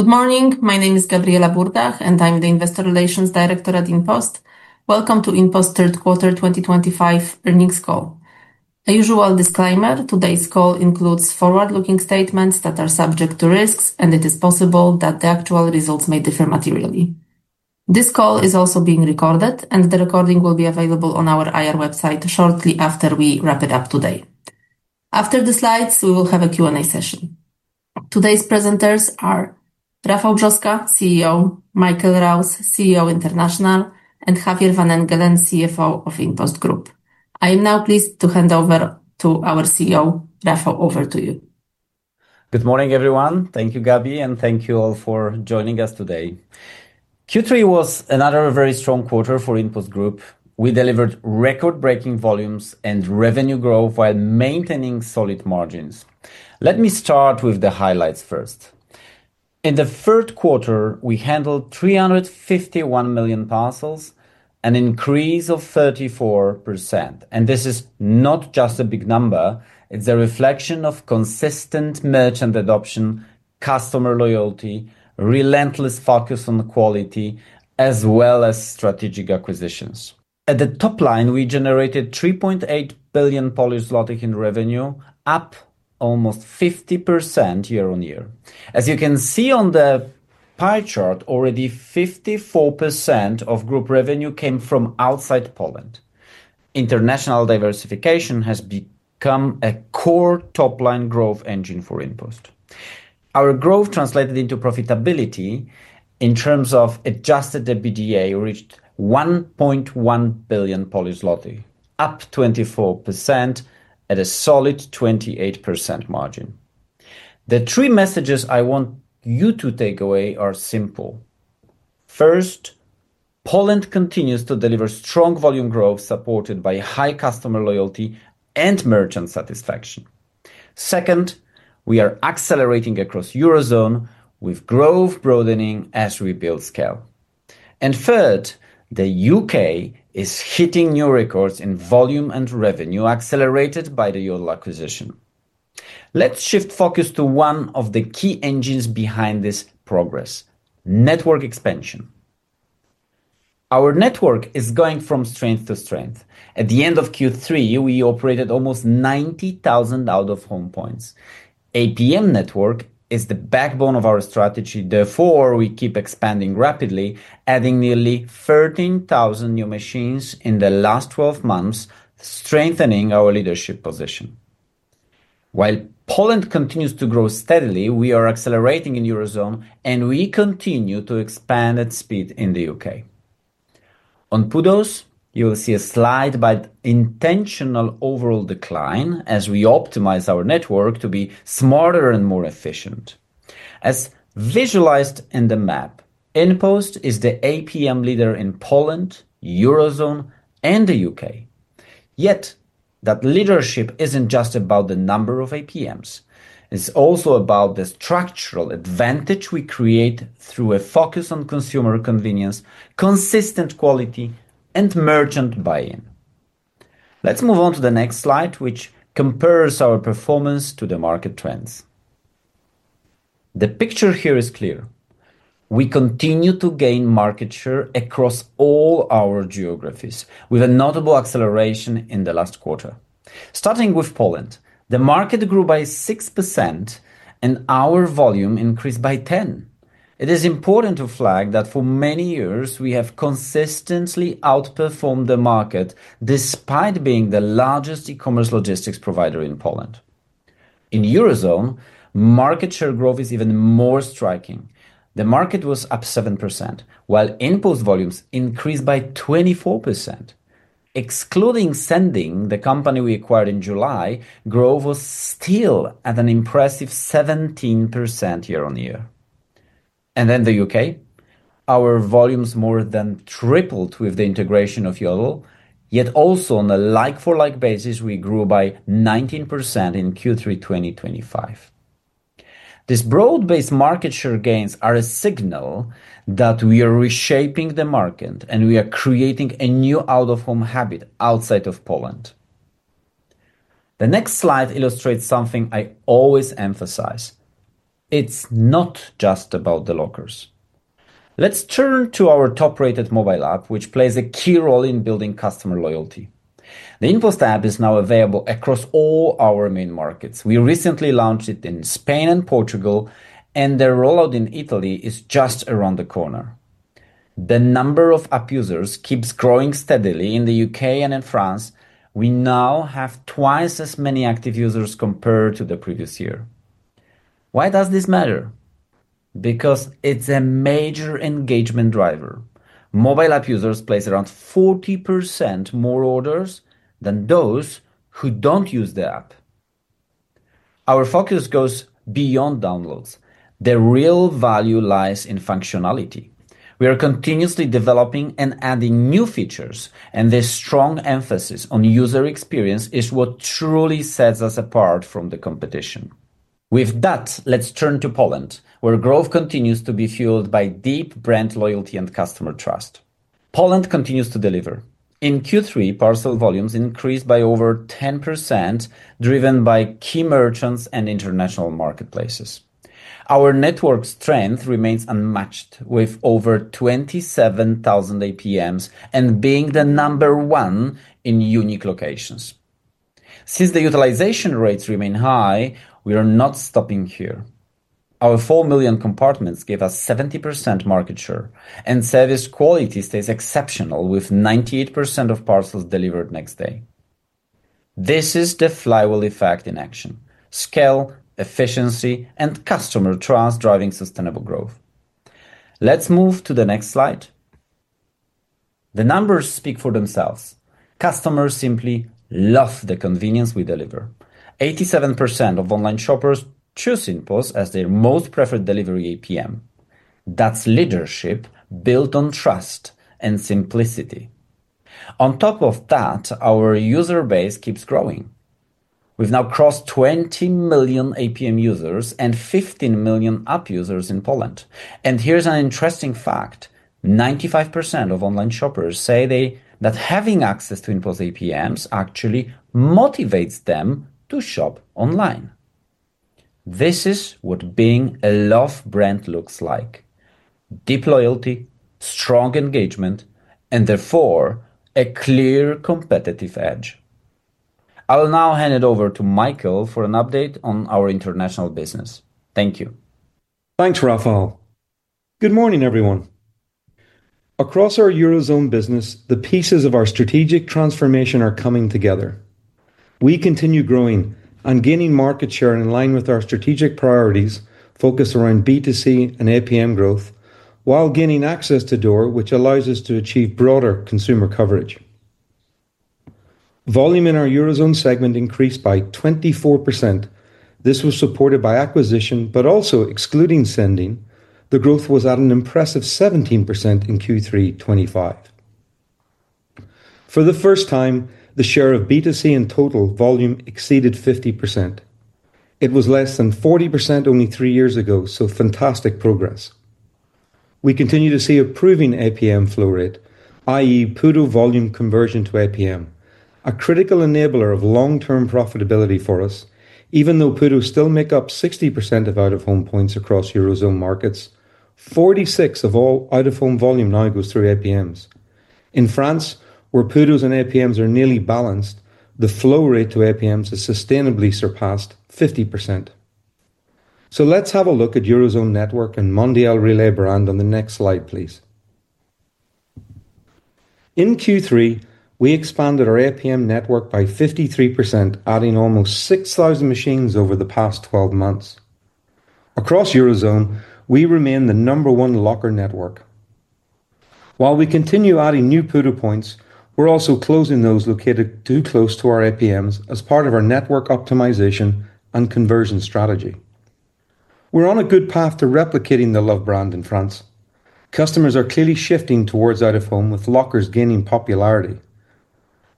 Good morning. My name is Gabriela Burdach, and I'm the Investor Relations Director at InPost. Welcome to InPost third quarter 2025 earnings call. A usual disclaimer: today's call includes forward-looking statements that are subject to risks, and it is possible that the actual results may differ materially. This call is also being recorded, and the recording will be available on our IR website shortly after we wrap it up today. After the slides, we will have a Q&A session. Today's presenters are Rafał Brzoska, CEO; Michael Rouse, CEO International; and Javier van Engelen, CFO of InPost Group. I am now pleased to hand over to our CEO, Rafał, over to you. Good morning, everyone. Thank you, Gabi, and thank you all for joining us today. Q3 was another very strong quarter for InPost Group. We delivered record-breaking volumes and revenue growth while maintaining solid margins. Let me start with the highlights first. In the third quarter, we handled 351 million parcels, an increase of 34%. This is not just a big number; it is a reflection of consistent merchant adoption, customer loyalty, relentless focus on quality, as well as strategic acquisitions. At the top line, we generated 3.8 billion in revenue, up almost 50% year-on-year. As you can see on the pie chart, already 54% of group revenue came from outside Poland. International diversification has become a core top-line growth engine for InPost. Our growth translated into profitability in terms of adjusted EBITDA reached 1.1 billion Polish zloty, up 24% at a solid 28% margin. The three messages I want you to take away are simple. First, Poland continues to deliver strong volume growth supported by high customer loyalty and merchant satisfaction. Second, we are accelerating across the Eurozone with growth broadening as we build scale. Third, the U.K. is hitting new records in volume and revenue accelerated by the Yodel acquisition. Let's shift focus to one of the key engines behind this progress: network expansion. Our network is going from strength to strength. At the end of Q3, we operated almost 90,000 out-of-home points. APM network is the backbone of our strategy. Therefore, we keep expanding rapidly, adding nearly 13,000 new machines in the last 12 months, strengthening our leadership position. While Poland continues to grow steadily, we are accelerating in the Eurozone, and we continue to expand at speed in the U.K. On PUDOs, you will see a slide by intentional overall decline as we optimize our network to be smarter and more efficient. As visualized in the map, InPost is the APM leader in Poland, the Eurozone, and the U.K. Yet that leadership isn't just about the number of APMs. It's also about the structural advantage we create through a focus on consumer convenience, consistent quality, and merchant buy-in. Let's move on to the next slide, which compares our performance to the market trends. The picture here is clear. We continue to gain market share across all our geographies, with a notable acceleration in the last quarter. Starting with Poland, the market grew by 6%, and our volume increased by 10%. It is important to flag that for many years, we have consistently outperformed the market despite being the largest e-commerce logistics provider in Poland. In the Eurozone, market share growth is even more striking. The market was up 7%, while InPost volumes increased by 24%. Excluding Sending, the company we acquired in July, growth was still at an impressive 17% year-on-year. In the U.K., our volumes more than tripled with the integration of Yodel. Yet also, on a like-for-like basis, we grew by 19% in Q3 2025. These broad-based market share gains are a signal that we are reshaping the market, and we are creating a new out-of-home habit outside of Poland. The next slide illustrates something I always emphasize: it is not just about the lockers. Let's turn to our top-rated mobile app, which plays a key role in building customer loyalty. The InPost app is now available across all our main markets. We recently launched it in Spain and Portugal, and the rollout in Italy is just around the corner. The number of app users keeps growing steadily in the U.K. and in France. We now have twice as many active users compared to the previous year. Why does this matter? Because it is a major engagement driver. Mobile app users place around 40% more orders than those who do not use the app. Our focus goes beyond downloads. The real value lies in functionality. We are continuously developing and adding new features, and this strong emphasis on user experience is what truly sets us apart from the competition. With that, let us turn to Poland, where growth continues to be fueled by deep brand loyalty and customer trust. Poland continues to deliver. In Q3, parcel volumes increased by over 10%, driven by key merchants and international marketplaces. Our network strength remains unmatched, with over 27,000 APMs and being the number one in unique locations. Since the utilization rates remain high, we are not stopping here. Our 4 million compartments give us 70% market share, and service quality stays exceptional, with 98% of parcels delivered next day. This is the flywheel effect in action: scale, efficiency, and customer trust driving sustainable growth. Let's move to the next slide. The numbers speak for themselves. Customers simply love the convenience we deliver. 87% of online shoppers choose InPost as their most preferred delivery APM. That's leadership built on trust and simplicity. On top of that, our user base keeps growing. We've now crossed 20 million APM users and 15 million app users in Poland. Here's an interesting fact: 95% of online shoppers say that having access to InPost APMs actually motivates them to shop online. This is what being a love brand looks like: deep loyalty, strong engagement, and therefore a clear competitive edge. I'll now hand it over to Michael for an update on our international business. Thank you. Thanks, Rafał. Good morning, everyone. Across our Eurozone business, the pieces of our strategic transformation are coming together. We continue growing and gaining market share in line with our strategic priorities focused around B2C and APM growth, while gaining access to-door, which allows us to achieve broader consumer coverage. Volume in our Eurozone segment increased by 24%. This was supported by acquisition, but also excluding Sending, the growth was at an impressive 17% in Q3 2025. For the first time, the share of B2C in total volume exceeded 50%. It was less than 40% only three years ago, so fantastic progress. We continue to see a proving APM flow rate, i.e., PUDO volume conversion to APM, a critical enabler of long-term profitability for us. Even though PUDO still makes up 60% of out-of-home points across Eurozone markets, 46% of all out-of-home volume now goes through APMs. In France, where PUDOs and APMs are nearly balanced, the flow rate to APMs is sustainably surpassed: 50%. Let's have a look at Eurozone network and Mondial Relay brand on the next slide, please. In Q3, we expanded our APM network by 53%, adding almost 6,000 machines over the past 12 months. Across Eurozone, we remain the number one locker network. While we continue adding new PUDOs points, we're also closing those located too close to our APMs as part of our network optimization and conversion strategy. We're on a good path to replicating the love brand in France. Customers are clearly shifting towards out-of-home with lockers gaining popularity.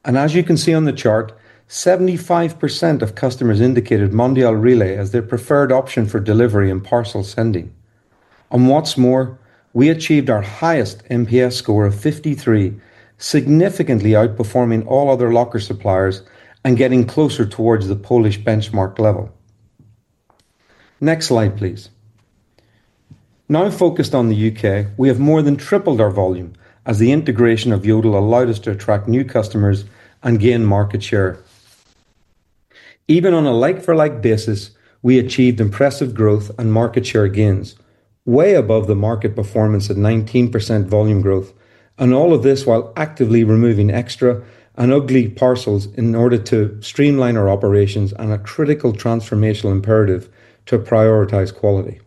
As you can see on the chart, 75% of customers indicated Mondial Relay as their preferred option for delivery and parcel sending. What is more, we achieved our highest MPS score of 53, significantly outperforming all other locker suppliers and getting closer towards the Polish benchmark level. Next slide, please. Now focused on the U.K., we have more than tripled our volume as the integration of Yodel allowed us to attract new customers and gain market share. Even on a like-for-like basis, we achieved impressive growth and market share gains, way above the market performance at 19% volume growth, and all of this while actively removing extra and ugly parcels in order to streamline our operations and a critical transformational imperative to prioritize quality.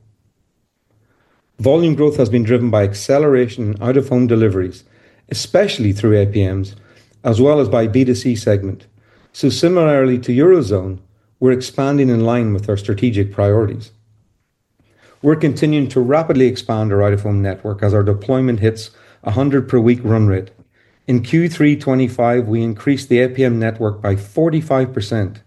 Volume growth has been driven by acceleration in out-of-home deliveries, especially through APMs, as well as by B2C segment. Similarly to Eurozone, we are expanding in line with our strategic priorities. We are continuing to rapidly expand our out-of-home network as our deployment hits 100 per week run rate. In Q3 2025, we increased the APM network by 45%.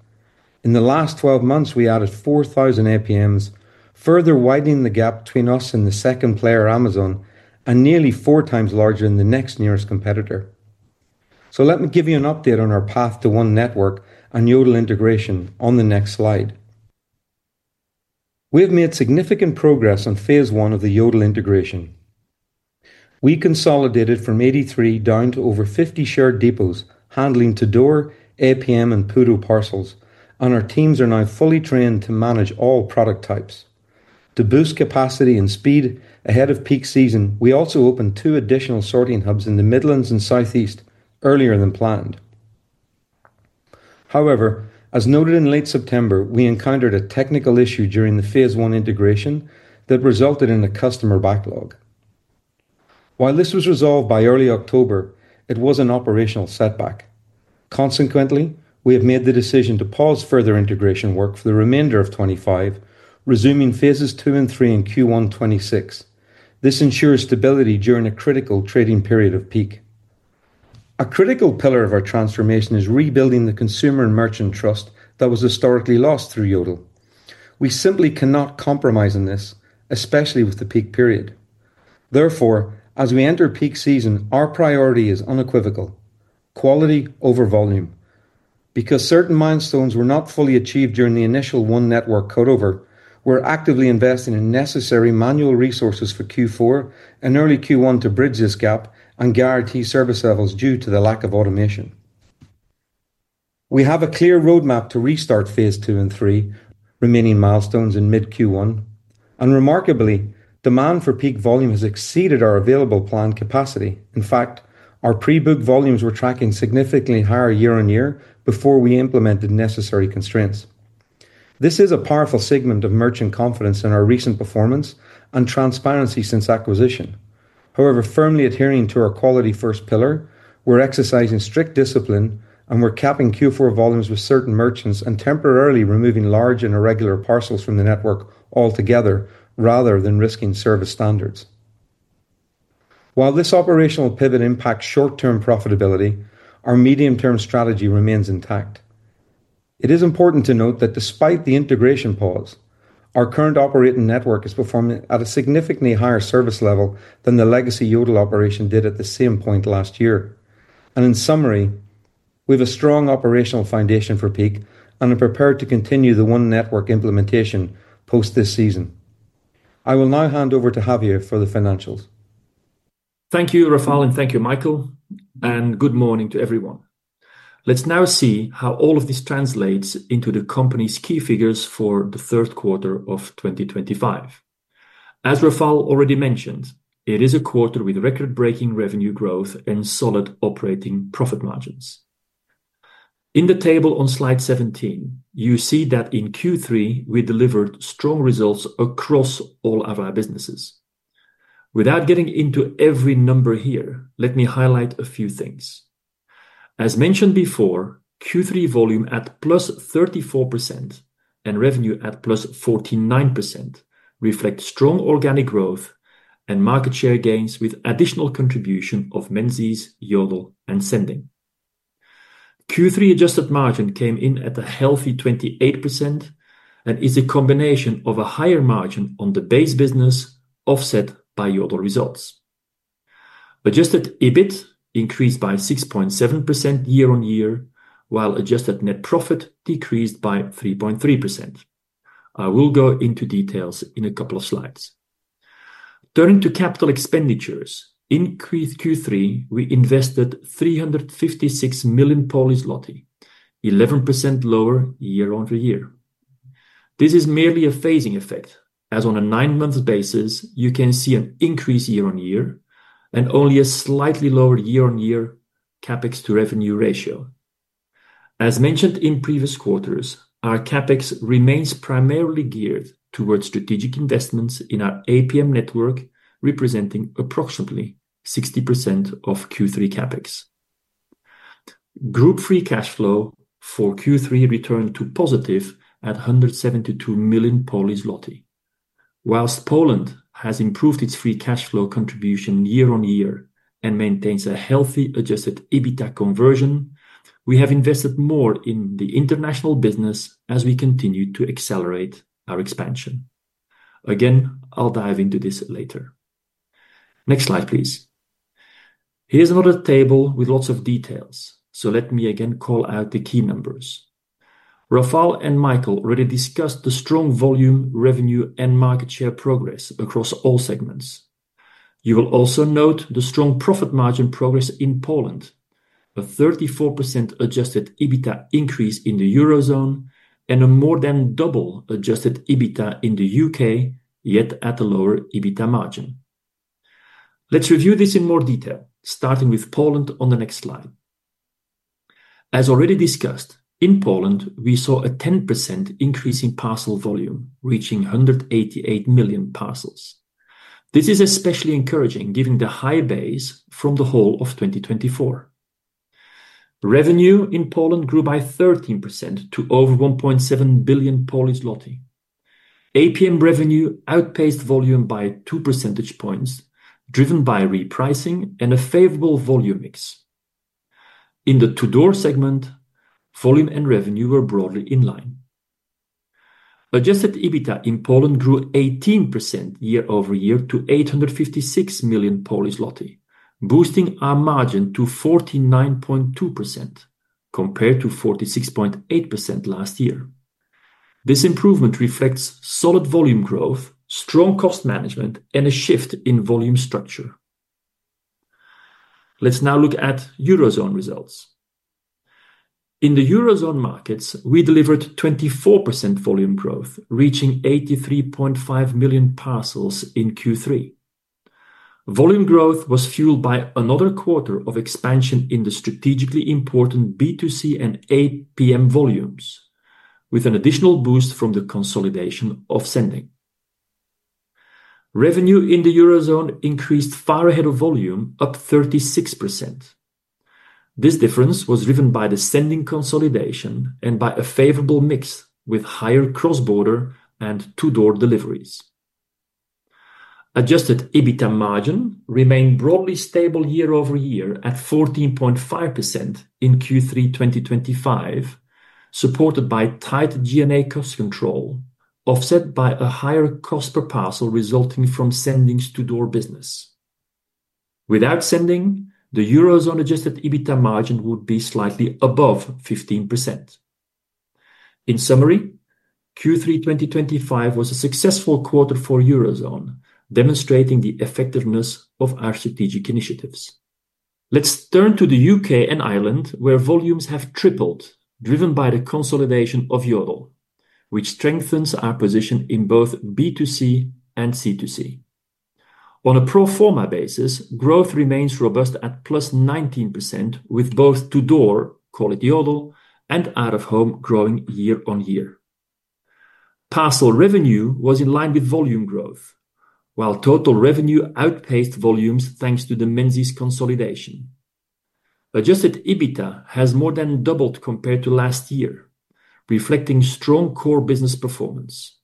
In the last 12 months, we added 4,000 APMs, further widening the gap between us and the second player, Amazon, and nearly 4x larger than the next nearest competitor. Let me give you an update on our path to one network and Yodel integration on the next slide. We have made significant progress on phase one of the Yodel integration. We consolidated from 83 down to over 50 shared depots handling to-door, APM, and PUDO parcels, and our teams are now fully trained to manage all product types. To boost capacity and speed ahead of peak season, we also opened two additional sorting hubs in the Midlands and Southeast earlier than planned. However, as noted in late September, we encountered a technical issue during the phase one integration that resulted in a customer backlog. While this was resolved by early October, it was an operational setback. Consequently, we have made the decision to pause further integration work for the remainder of 2025, resuming phases two and three in Q1 2026. This ensures stability during a critical trading period of peak. A critical pillar of our transformation is rebuilding the consumer and merchant trust that was historically lost through Yodel. We simply cannot compromise on this, especially with the peak period. Therefore, as we enter peak season, our priority is unequivocal: quality over volume. Because certain milestones were not fully achieved during the initial one network cutover, we're actively investing in necessary manual resources for Q4 and early Q1 to bridge this gap and guarantee service levels due to the lack of automation. We have a clear roadmap to restart phase two and three, remaining milestones in mid-Q1. Remarkably, demand for peak volume has exceeded our available planned capacity. In fact, our pre-booked volumes were tracking significantly higher year-on-year before we implemented necessary constraints. This is a powerful segment of merchant confidence in our recent performance and transparency since acquisition. However, firmly adhering to our quality first pillar, we're exercising strict discipline, and we're capping Q4 volumes with certain merchants and temporarily removing large and irregular parcels from the network altogether rather than risking service standards. While this operational pivot impacts short-term profitability, our medium-term strategy remains intact. It is important to note that despite the integration pause, our current operating network is performing at a significantly higher service level than the legacy Yodel operation did at the same point last year. In summary, we have a strong operational foundation for peak and are prepared to continue the one network implementation post this season. I will now hand over to Javier for the financials. Thank you, Rafał, and thank you, Michael. Good morning to everyone. Let's now see how all of this translates into the company's key figures for the third quarter of 2025. As Rafał already mentioned, it is a quarter with record-breaking revenue growth and solid operating profit margins. In the table on slide 17, you see that in Q3, we delivered strong results across all our businesses. Without getting into every number here, let me highlight a few things. As mentioned before, Q3 volume at +34% and revenue at +49% reflect strong organic growth and market share gains with additional contribution of Menzies, Yodel, and Sending. Q3 adjusted margin came in at a healthy 28% and is a combination of a higher margin on the base business offset by Yodel results. Adjusted EBIT increased by 6.7% year-on-year, while adjusted net profit decreased by 3.3%. I will go into details in a couple of slides. Turning to capital expenditures, in Q3, we invested 356 million, 11% lower year-on-year. This is merely a phasing effect, as on a nine-month basis, you can see an increase year-on-year and only a slightly lower year-on-year CapEx to revenue ratio. As mentioned in previous quarters, our CapEx remains primarily geared towards strategic investments in our APM network, representing approximately 60% of Q3 CapEx. Group free cash flow for Q3 returned to positive at 172 million. Whilst Poland has improved its free cash flow contribution year-on-year and maintains a healthy adjusted EBITDA conversion, we have invested more in the international business as we continue to accelerate our expansion. Again, I'll dive into this later. Next slide, please. Here's another table with lots of details, so let me again call out the key numbers. Rafał and Michael already discussed the strong volume, revenue, and market share progress across all segments. You will also note the strong profit margin progress in Poland, a 34% adjusted EBITDA increase in the Eurozone, and a more than double adjusted EBITDA in the U.K., yet at a lower EBITDA margin. Let's review this in more detail, starting with Poland on the next slide. As already discussed, in Poland, we saw a 10% increase in parcel volume, reaching 188 million parcels. This is especially encouraging given the high base from the whole of 2024. Revenue in Poland grew by 13% to over 1.7 billion. APM revenue outpaced volume by two percentage points, driven by repricing and a favorable volume mix. In the to-door segment, volume and revenue were broadly in line. Adjusted EBITDA in Poland grew 18% year-over-year to 856 million, boosting our margin to 49.2% compared to 46.8% last year. This improvement reflects solid volume growth, strong cost management, and a shift in volume structure. Let's now look at Eurozone results. In the Eurozone markets, we delivered 24% volume growth, reaching 83.5 million parcels in Q3. Volume growth was fueled by another quarter of expansion in the strategically important B2C and APM volumes, with an additional boost from the consolidation of Sending. Revenue in the Eurozone increased far ahead of volume, up 36%. This difference was driven by the Sending consolidation and by a favorable mix with higher cross-border and to-door deliveries. Adjusted EBITDA margin remained broadly stable year-over-year at 14.5% in Q3 2025, supported by tight G&A cost control, offset by a higher cost per parcel resulting from Sending to-door business. Without Sending, the Eurozone adjusted EBITDA margin would be slightly above 15%. In summary, Q3 2025 was a successful quarter for Eurozone, demonstrating the effectiveness of our strategic initiatives. Let's turn to the U.K. and Ireland, where volumes have tripled, driven by the consolidation of Yodel, which strengthens our position in both B2C and C2C. On a pro forma basis, growth remains robust at plus 19%, with both to-door quality Yodel and out-of-home growing year-on-year. Parcel revenue was in line with volume growth, while total revenue outpaced volumes thanks to the Menzies consolidation. Adjusted EBITDA has more than doubled compared to last year, reflecting strong core business performance.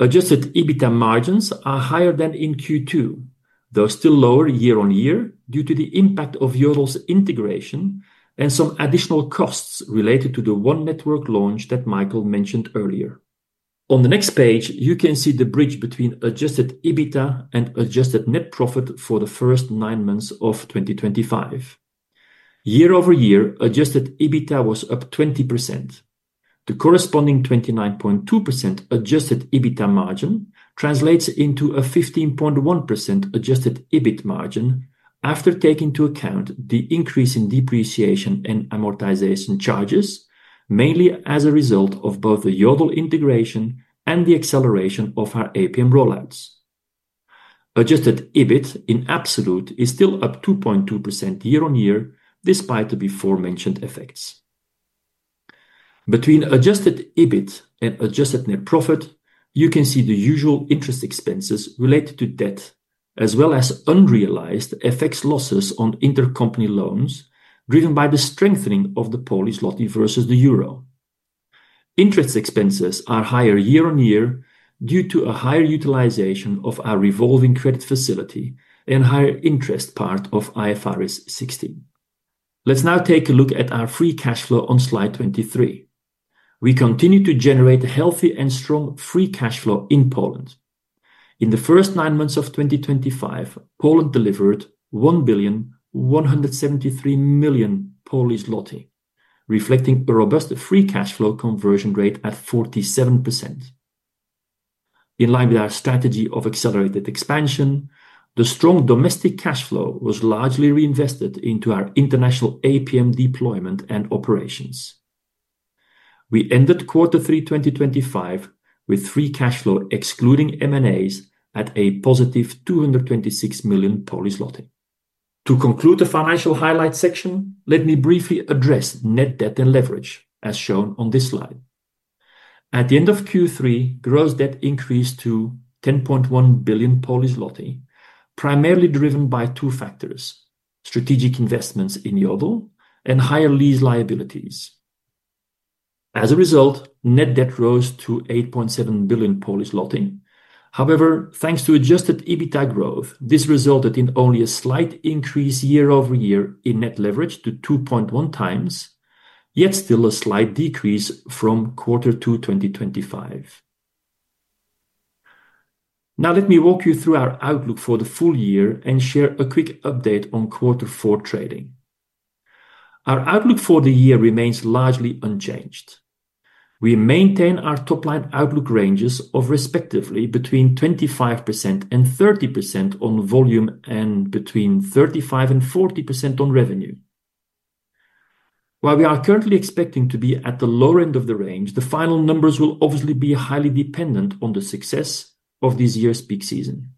Adjusted EBITDA margins are higher than in Q2, though still lower year-on-year due to the impact of Yodel's integration and some additional costs related to the one network launch that Michael mentioned earlier. On the next page, you can see the bridge between adjusted EBITDA and adjusted net profit for the first nine months of 2025. Year-over-year, adjusted EBITDA was up 20%. The corresponding 29.2% adjusted EBITDA margin translates into a 15.1% adjusted EBIT margin after taking into account the increase in depreciation and amortization charges, mainly as a result of both the Yodel integration and the acceleration of our APM rollouts. Adjusted EBIT in absolute is still up 2.2% year-on-year, despite the before-mentioned effects. Between adjusted EBIT and adjusted net profit, you can see the usual interest expenses related to debt, as well as unrealized FX losses on intercompany loans, driven by the strengthening of the Polish złoty versus the euro. Interest expenses are higher year-on-year due to a higher utilization of our revolving credit facility and higher interest part of IFRS 16. Let's now take a look at our free cash flow on slide 23. We continue to generate a healthy and strong free cash flow in Poland. In the first nine months of 2025, Poland delivered 1,173 million, reflecting a robust free cash flow conversion rate at 47%. In line with our strategy of accelerated expansion, the strong domestic cash flow was largely reinvested into our international APM deployment and operations. We ended quarter three 2025 with free cash flow excluding M&As at a +226 million. To conclude the financial highlight section, let me briefly address net debt and leverage, as shown on this slide. At the end of Q3, gross debt increased to 10.1 billion, primarily driven by two factors: strategic investments in Yodel and higher lease liabilities. As a result, net debt rose to 8.7 billion. However, thanks to adjusted EBITDA growth, this resulted in only a slight increase year-over-year in net leverage to 2.1x, yet still a slight decrease from quarter two 2025. Now let me walk you through our outlook for the full year and share a quick update on quarter four trading. Our outlook for the year remains largely unchanged. We maintain our top-line outlook ranges of respectively between 25%-30% on volume and between 35%-40% on revenue. While we are currently expecting to be at the lower end of the range, the final numbers will obviously be highly dependent on the success of this year's peak season.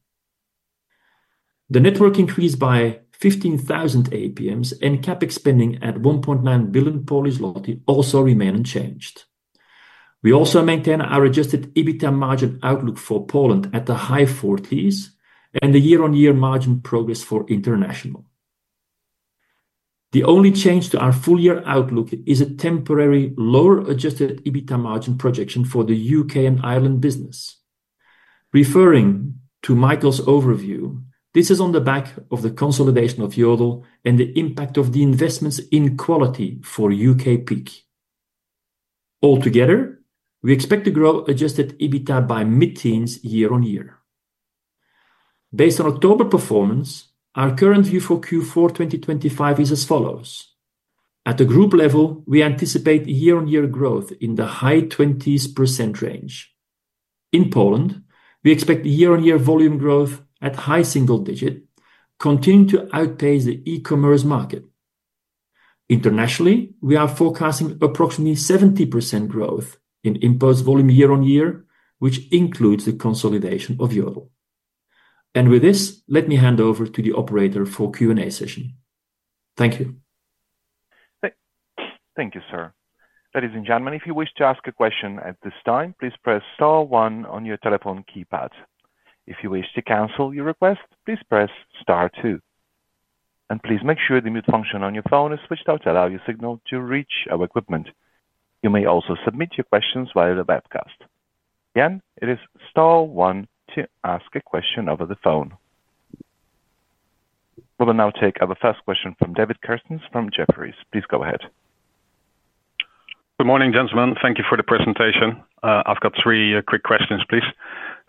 The network increased by 15,000 APMs, and CapEx spending at 1.9 billion also remained unchanged. We also maintain our adjusted EBITDA margin outlook for Poland at the high 40s and the year-on-year margin progress for international. The only change to our full-year outlook is a temporary lower adjusted EBITDA margin projection for the U.K. and Ireland business. Referring to Michael's overview, this is on the back of the consolidation of Yodel and the impact of the investments in quality for U.K. peak. Altogether, we expect to grow adjusted EBITDA by mid-teens year-on-year. Based on October performance, our current view for Q4 2025 is as follows. At the group level, we anticipate year-on-year growth in the high 20% range. In Poland, we expect year-on-year volume growth at high single digit continuing to outpace the e-commerce market. Internationally, we are forecasting approximately 70% growth in InPost's year-on-year, which includes the consolidation of Yodel. With this, let me hand over to the operator for Q&A session. Thank you. Thank you, sir. Ladies and gentlemen, if you wish to ask a question at this time, please press Star 1 on your telephone keypad. If you wish to cancel your request, please press Star 2. Please make sure the mute function on your phone is switched out to allow your signal to reach our equipment. You may also submit your questions via the webcast. Again, it is Star 1 to ask a question over the phone. We will now take our first question from David Kerstens from Jefferies. Please go ahead. Good morning, gentlemen. Thank you for the presentation. I've got three quick questions, please.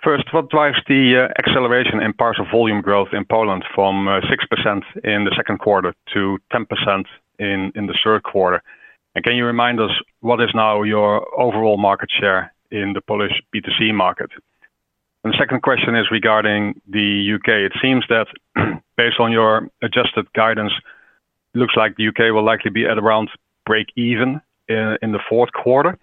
First, what drives the acceleration in parcel volume growth in Poland from 6% in the second quarter to 10% in the third quarter? Can you remind us what is now your overall market share in the Polish B2C market? The second question is regarding the U.K. It seems that based on your adjusted guidance, it looks like the U.K. will likely be at around break-even in the fourth quarter.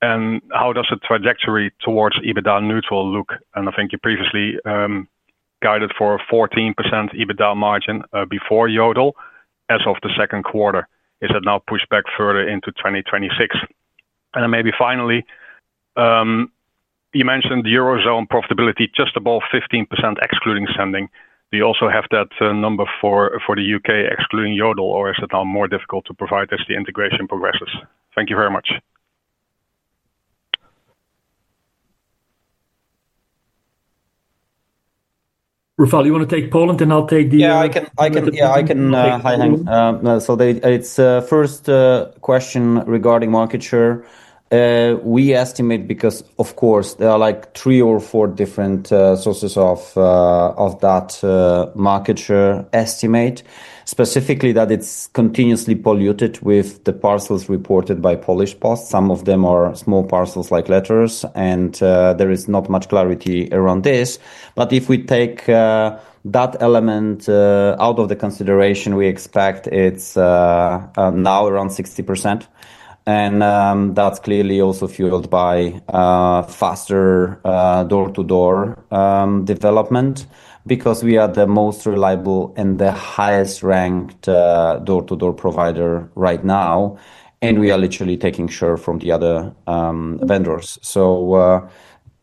How does the trajectory towards EBITDA neutral look? I think you previously guided for a 14% EBITDA margin before Yodel as of the second quarter. Is that now pushed back further into 2026? Maybe finally, you mentioned Eurozone profitability just above 15% excluding Sending. Do you also have that number for the U.K. excluding Yodel, or is it now more difficult to provide as the integration progresses? Thank you very much. Rafał, you want to take Poland, and I'll take the [next question]? Yeah, I can. It's the first question regarding market share. We estimate, because of course, there are like three or four different sources of that market share estimate, specifically that it's continuously polluted with the parcels reported by Polish posts. Some of them are small parcels like letters, and there is not much clarity around this. If we take that element out of the consideration, we expect it's now around 60%. That's clearly also fueled by faster door-to-door development because we are the most reliable and the highest-ranked door-to-door provider right now, and we are literally taking share from the other vendors.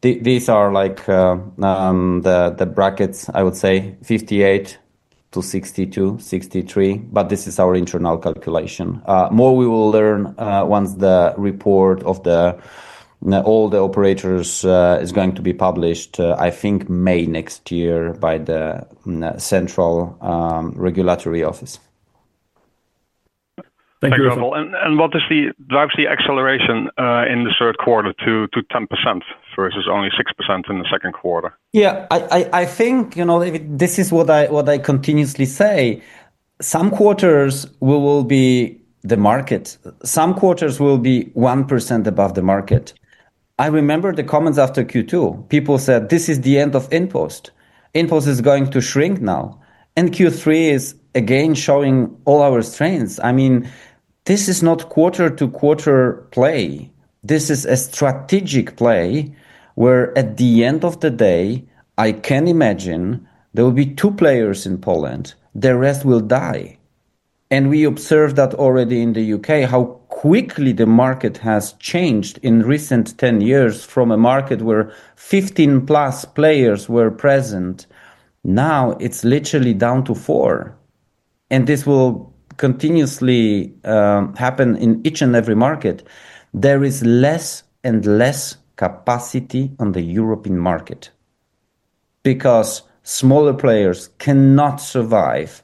These are like the brackets, I would say, 58%-62%, 63%, but this is our internal calculation. More we will learn once the report of all the operators is going to be published, I think May next year by the central regulatory office. Thank you, Rafał. What drives the acceleration in the third quarter to 10% versus only 6% in the second quarter? Yeah, I think this is what I continuously say. Some quarters will be the market. Some quarters will be 1% above the market. I remember the comments after Q2. People said, "This is the end of InPost. InPost is going to shrink now." Q3 is again showing all our strengths. I mean, this is not quarter-to-quarter play. This is a strategic play where, at the end of the day, I can imagine there will be two players in Poland. The rest will die. We observed that already in the U.K., how quickly the market has changed in recent 10 years from a market where 15+ players were present. Now it's literally down to four. This will continuously happen in each and every market. There is less and less capacity on the European market because smaller players cannot survive.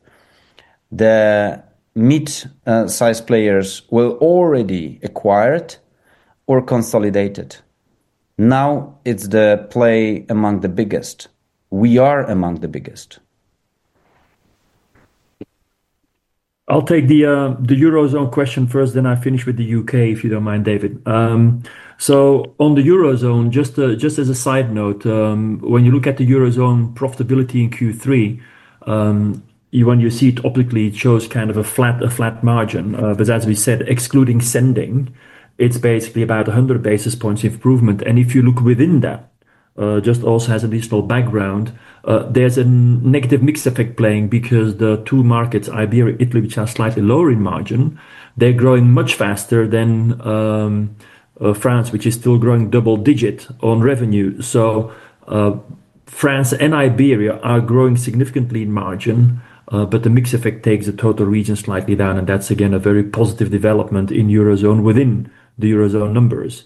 The mid-size players were already acquired or consolidated. Now it's the play among the biggest. We are among the biggest. I'll take the Eurozone question first, then I'll finish with the U.K., if you don't mind, David. On the Eurozone, just as a side note, when you look at the Eurozone profitability in Q3, when you see it optically, it shows kind of a flat margin. As we said, excluding Sending, it's basically about 100 basis points improvement. If you look within that, just also as additional background, there's a negative mixed effect playing because the two markets, Iberia and Italy, which are slightly lower in margin, they're growing much faster than France, which is still growing double-digit on revenue. France and Iberia are growing significantly in margin, but the mixed effect takes the total region slightly down. That's, again, a very positive development in Eurozone within the Eurozone numbers.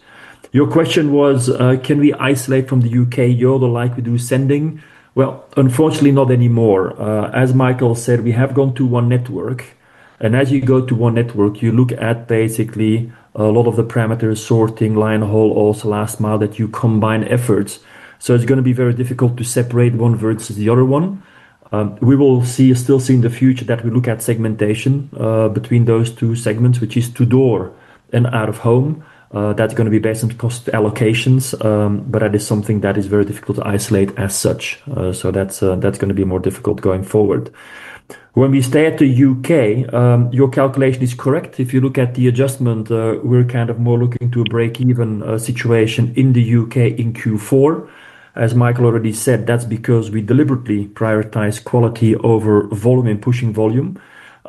Your question was, can we isolate from the U.K., Yodel, like we do Sending? Unfortunately, not anymore. As Michael said, we have gone to one network. As you go to one network, you look at basically a lot of the parameters, sorting, line-haul, also last mile that you combine efforts. It is going to be very difficult to separate one versus the other one. We will still see in the future that we look at segmentation between those two segments, which is to-door and out-of-home. That is going to be based on cost allocations, but that is something that is very difficult to isolate as such. That is going to be more difficult going forward. When we stay at the U.K., your calculation is correct. If you look at the adjustment, we are kind of more looking to a break-even situation in the U.K. in Q4. As Michael already said, that is because we deliberately prioritize quality over volume and pushing volume.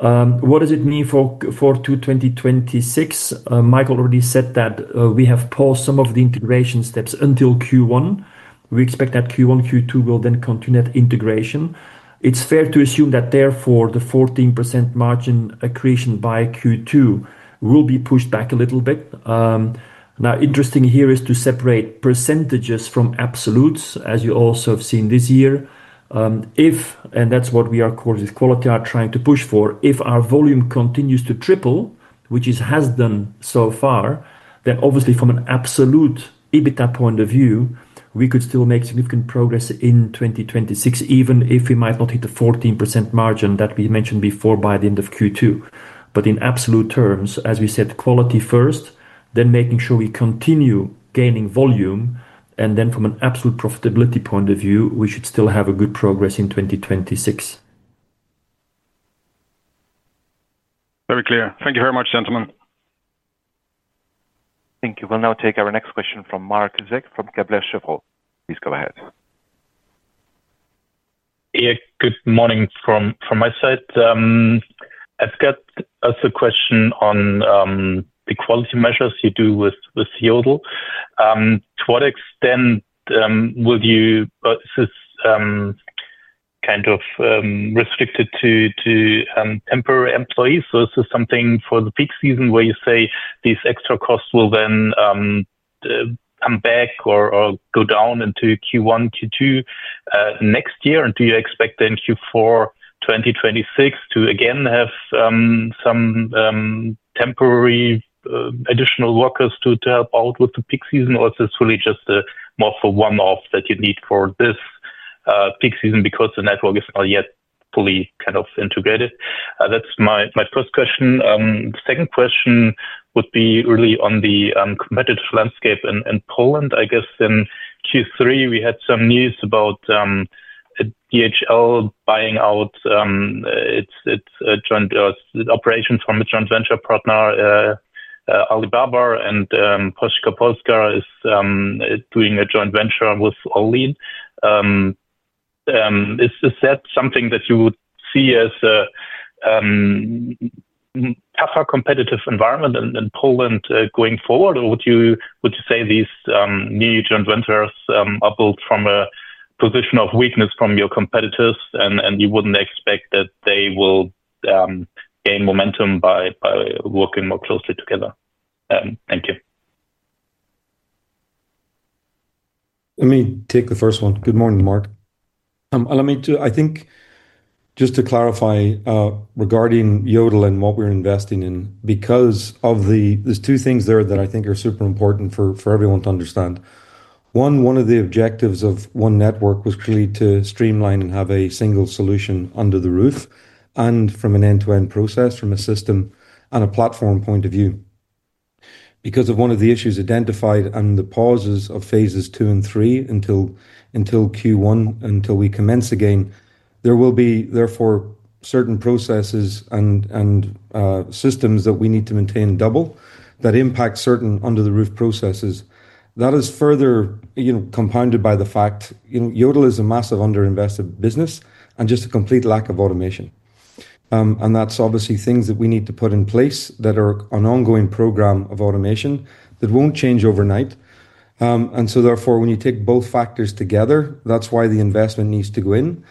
What does it mean for Q2 2026? Michael already said that we have paused some of the integration steps until Q1. We expect that Q1, Q2 will then continue that integration. It's fair to assume that therefore the 14% margin accretion by Q2 will be pushed back a little bit. Now, interesting here is to separate percentages from absolutes, as you also have seen this year. If, and that's what we are of course with quality are trying to push for, if our volume continues to triple, which it has done so far, then obviously from an absolute EBITDA point of view, we could still make significant progress in 2026, even if we might not hit the 14% margin that we mentioned before by the end of Q2. In absolute terms, as we said, quality first, then making sure we continue gaining volume, and then from an absolute profitability point of view, we should still have a good progress in 2026. Very clear. Thank you very much, gentlemen. Thank you. We'll now take our next question from Marc Zeck from Kepler Cheuvreux. Please go ahead. Yeah, good morning from my side. I've got also a question on the quality measures you do with Yodel. To what extent will you, is this kind of restricted to temporary employees? Is this something for the peak season where you say these extra costs will then come back or go down into Q1, Q2 next year? Do you expect then Q4 2026 to again have some temporary additional workers to help out with the peak season? Or is this really just more for one-off that you need for this peak season because the network is not yet fully kind of integrated? That's my first question. The second question would be really on the competitive landscape in Poland. I guess in Q3, we had some news about DHL buying out its joint operations from its joint venture partner, Alibaba, and Poczta Polska is doing a joint venture with Orlen. Is that something that you would see as a tougher competitive environment in Poland going forward? Or would you say these new joint ventures are built from a position of weakness from your competitors, and you wouldn't expect that they will gain momentum by working more closely together? Thank you. Let me take the first one. Good morning, Marc. I think just to clarify regarding Yodel and what we're investing in, because there's two things there that I think are super important for everyone to understand. One, one of the objectives of one network was clearly to streamline and have a single solution under the roof and from an end-to-end process, from a system and a platform point of view. Because of one of the issues identified and the pauses of phases two and three until Q1, until we commence again, there will be therefore certain processes and systems that we need to maintain double that impact certain under-the-roof processes. That is further compounded by the fact Yodel is a massive under-invested business and just a complete lack of automation. That is obviously things that we need to put in place that are an ongoing program of automation that will not change overnight. Therefore, when you take both factors together, that is why the investment needs to go in.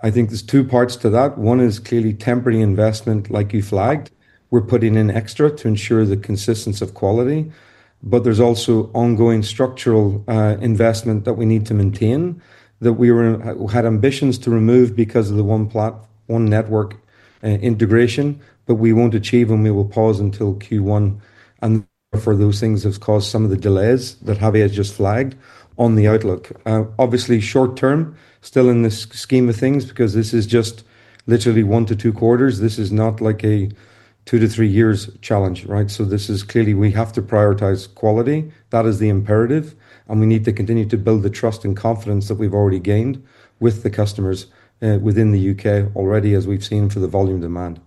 I think there are two parts to that. One is clearly temporary investment, like you flagged. We are putting in extra to ensure the consistency of quality. There is also ongoing structural investment that we need to maintain that we had ambitions to remove because of the one-platform network integration, but we will not achieve, and we will pause until Q1. Therefore, those things have caused some of the delays that Javier just flagged on the outlook. Obviously, short-term, still in the scheme of things, because this is just literally one to two quarters. This is not like a two to three years challenge, right? This is clearly we have to prioritize quality. That is the imperative. We need to continue to build the trust and confidence that we've already gained with the customers within the U.K. already, as we've seen for the volume demand.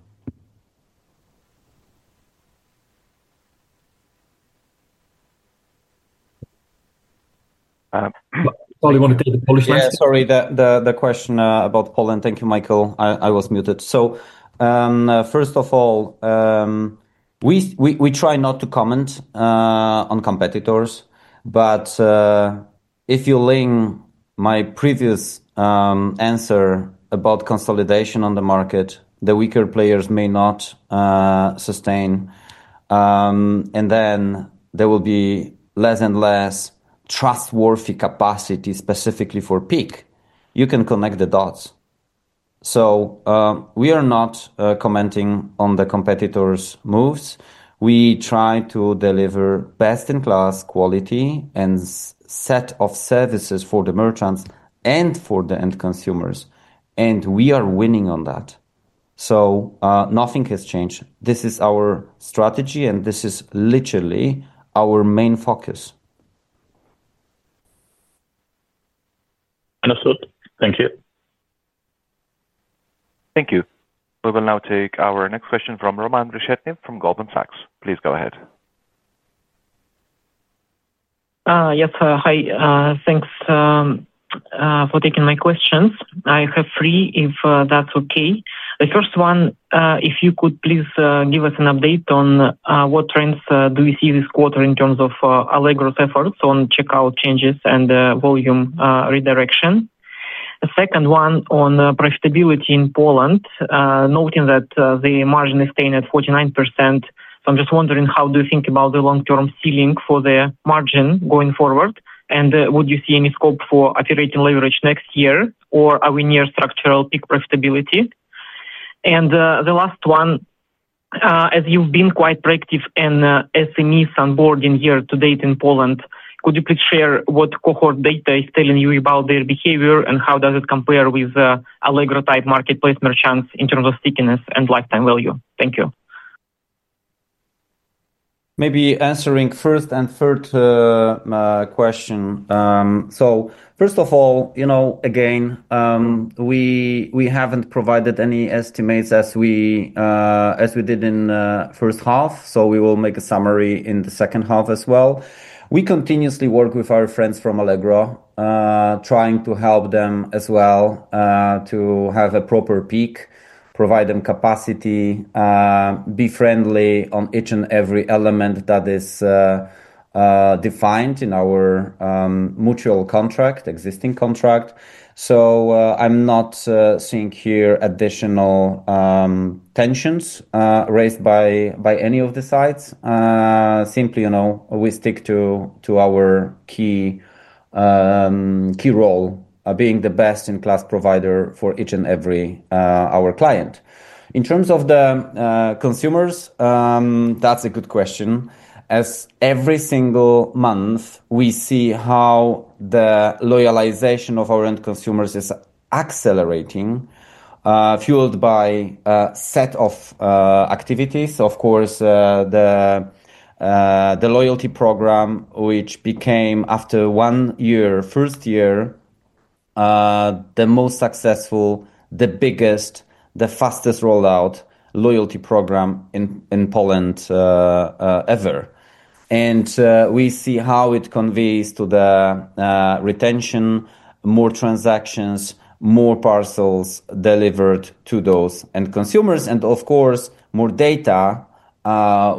Sorry, you want to take the Polish line? Sorry, the question about Poland. Thank you, Michael. I was muted. First of all, we try not to comment on competitors. If you link my previous answer about consolidation on the market, the weaker players may not sustain, and then there will be less and less trustworthy capacity specifically for peak. You can connect the dots. We are not commenting on the competitors' moves. We try to deliver best-in-class quality and set of services for the merchants and for the end consumers. We are winning on that. Nothing has changed. This is our strategy, and this is literally our main focus. Understood. Thank you. Thank you. We will now take our next question from Roman Reshetnev from Goldman Sachs. Please go ahead. Yes, hi. Thanks for taking my questions. I have three, if that's okay. The first one, if you could please give us an update on what trends do we see this quarter in terms of Allegro's efforts on checkout changes and volume redirection. The second one on profitability in Poland, noting that the margin is staying at 49%. I'm just wondering, how do you think about the long-term ceiling for the margin going forward? Would you see any scope for operating leverage next year, or are we near structural peak profitability? The last one, as you've been quite proactive in SMEs onboarding year-to-date in Poland, could you please share what cohort data is telling you about their behavior, and how does it compare with Allegro-type marketplace merchants in terms of stickiness and lifetime value? Thank you. Maybe answering first and third question. First of all, again, we have not provided any estimates as we did in the first half. We will make a summary in the second half as well. We continuously work with our friends from Allegro, trying to help them as well to have a proper peak, provide them capacity, be friendly on each and every element that is defined in our mutual contract, existing contract. I am not seeing here additional tensions raised by any of the sides. Simply, we stick to our key role, being the best-in-class provider for each and every our client. In terms of the consumers, that is a good question. As every single month, we see how the loyalization of our end consumers is accelerating, fueled by a set of activities. Of course, the loyalty program, which became after one year, first year, the most successful, the biggest, the fastest rollout loyalty program in Poland ever. We see how it conveys to the retention, more transactions, more parcels delivered to those end consumers. Of course, more data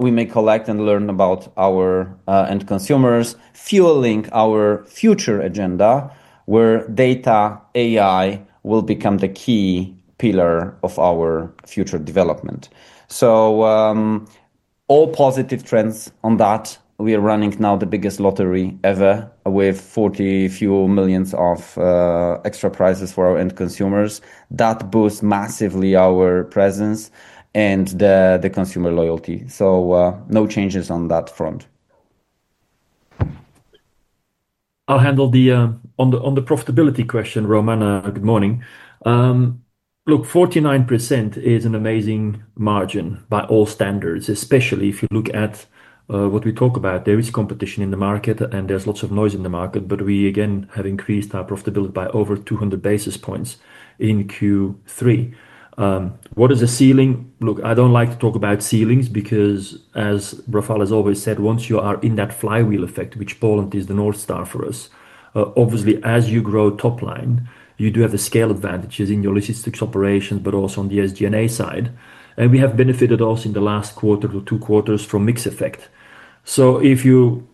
we may collect and learn about our end consumers, fueling our future agenda where data, AI will become the key pillar of our future development. All positive trends on that. We are running now the biggest lottery ever with 40 million of extra prizes for our end consumers. That boosts massively our presence and the consumer loyalty. No changes on that front. I'll handle the on the profitability question, Roman. Good morning. Look, 49% is an amazing margin by all standards, especially if you look at what we talk about. There is competition in the market, and there's lots of noise in the market, but we, again, have increased our profitability by over 200 basis points in Q3. What is the ceiling? Look, I don't like to talk about ceilings because, as Rafał has always said, once you are in that flywheel effect, which Poland is the North Star for us, obviously, as you grow topline, you do have the scale advantages in your logistics operations, but also on the SG&A side. And we have benefited also in the last quarter to two quarters from mixed effect. So if you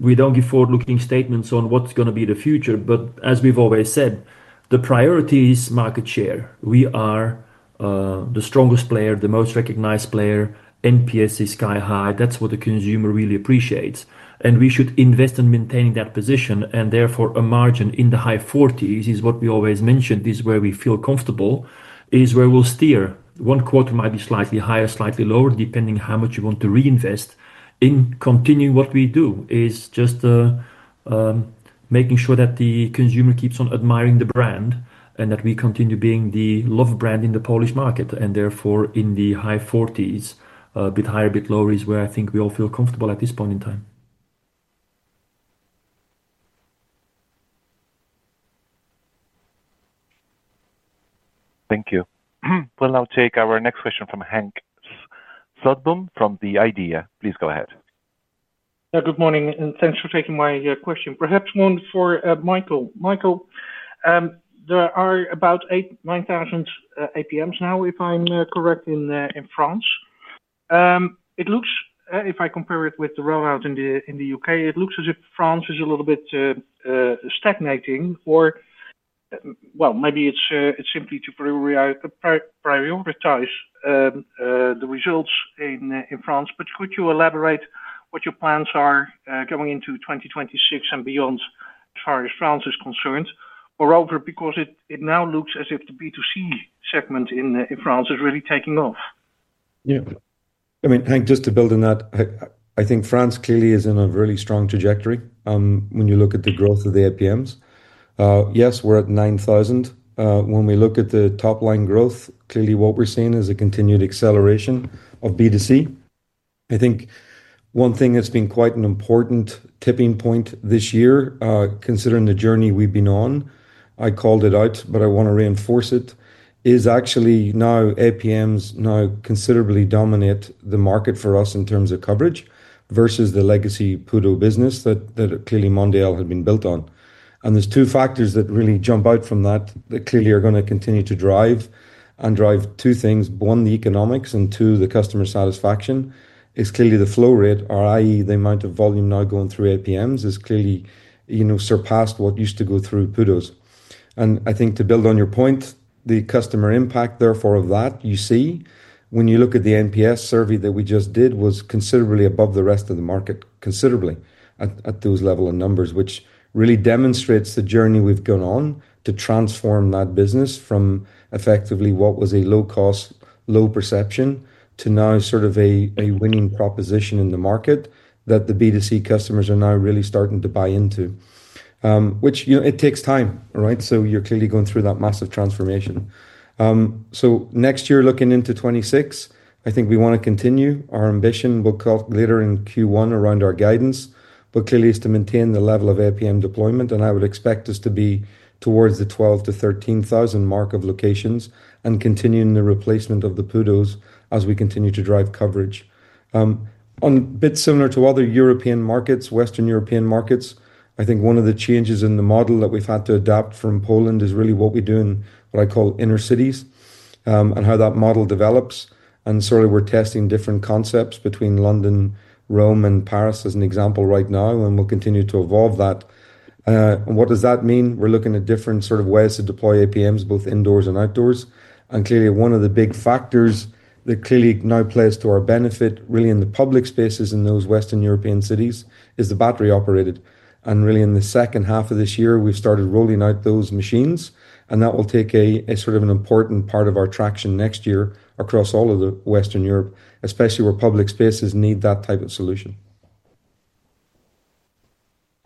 we don't give forward-looking statements on what's going to be the future, but as we've always said, the priority is market share. We are the strongest player, the most recognized player. NPS is sky high. That is what the consumer really appreciates. We should invest in maintaining that position. Therefore, a margin in the high 40% is what we always mentioned. This is where we feel comfortable, is where we will steer. One quarter might be slightly higher, slightly lower, depending how much you want to reinvest in continuing what we do, is just making sure that the consumer keeps on admiring the brand and that we continue being the love brand in the Polish market. Therefore, in the high 40%, a bit higher, a bit lower is where I think we all feel comfortable at this point in time. Thank you. We'll now take our next question from Henk Slotboom from The IDEA! Please go ahead. Yeah, good morning. Thanks for taking my question. Perhaps one for Michael. Michael, there are about 8,000, 9,000 APMs now, if I'm correct, in France. It looks, if I compare it with the rollout in the U.K., it looks as if France is a little bit stagnating. Or, maybe it's simply to prioritize the results in France. Could you elaborate what your plans are going into 2026 and beyond as far as France is concerned? Moreover, because it now looks as if the B2C segment in France is really taking off. Yeah. I mean, Henk, just to build on that, I think France clearly is on a really strong trajectory when you look at the growth of the APMs. Yes, we're at 9,000. When we look at the topline growth, clearly what we're seeing is a continued acceleration of B2C. I think one thing that's been quite an important tipping point this year, considering the journey we've been on, I called it out, but I want to reinforce it, is actually now APMs now considerably dominate the market for us in terms of coverage versus the legacy PUDO business that clearly Mondial had been built on. There are two factors that really jump out from that that clearly are going to continue to drive and drive two things. One, the economics, and two, the customer satisfaction is clearly the flow rate, i.e., the amount of volume now going through APMs has clearly surpassed what used to go through PUDOs. I think to build on your point, the customer impact, therefore, of that, you see, when you look at the NPS survey that we just did, was considerably above the rest of the market, considerably at those level of numbers, which really demonstrates the journey we've gone on to transform that business from effectively what was a low-cost, low perception to now sort of a winning proposition in the market that the B2C customers are now really starting to buy into, which it takes time, right? You're clearly going through that massive transformation. Next year, looking into 2026, I think we want to continue. Our ambition, we'll talk later in Q1 around our guidance, but clearly is to maintain the level of APM deployment. I would expect us to be towards the 12,000-13,000 mark of locations and continuing the replacement of the PUDOs as we continue to drive coverage. A bit similar to other European markets, Western European markets, I think one of the changes in the model that we've had to adapt from Poland is really what we do in what I call inner cities and how that model develops. Certainly, we're testing different concepts between London, Rome, and Paris as an example right now, and we'll continue to evolve that. What does that mean? We're looking at different sort of ways to deploy APMs, both indoors and outdoors. Clearly, one of the big factors that clearly now plays to our benefit, really in the public spaces in those Western European cities, is the battery operated. Really, in the second half of this year, we've started rolling out those machines. That will take a sort of an important part of our traction next year across all of Western Europe, especially where public spaces need that type of solution.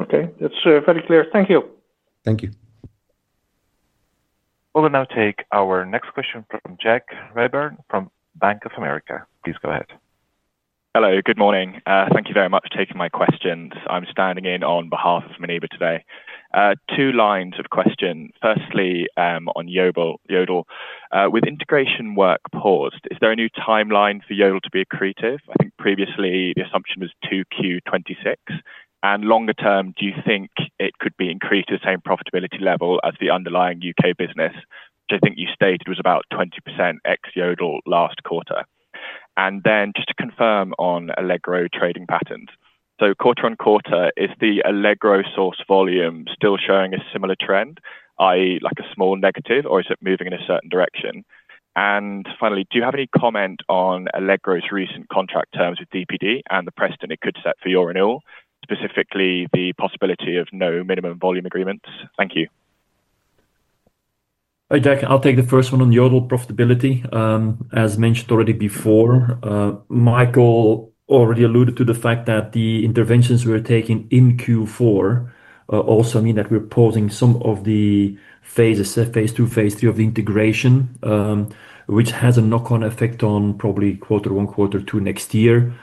Okay. That's very clear. Thank you. Thank you. We'll now take our next question from [Jack Ryberg] from Bank of America. Please go ahead. Hello. Good morning. Thank you very much for taking my questions. I'm standing in on behalf of [Miniba] today. Two lines of question. Firstly, on Yodel. With integration work paused, is there a new timeline for Yodel to be accretive? I think previously, the assumption was to Q2 2026. Longer term, do you think it could be increased at the same profitability level as the underlying U.K. business, which I think you stated was about 20% ex-Yodel last quarter? Just to confirm on Allegro trading patterns. Quarter on quarter, is the Allegro source volume still showing a similar trend, i.e., like a small negative, or is it moving in a certain direction? Finally, do you have any comment on Allegro's recent contract terms with DPD and the precedent it could set for your renewal, specifically the possibility of no minimum volume agreements? Thank you. Hi, Jack. I'll take the first one on Yodel profitability. As mentioned already before, Michael already alluded to the fact that the interventions we're taking in Q4 also mean that we're pausing some of the phases, phase two, phase three of the integration, which has a knock-on effect on probably quarter one, quarter two next year,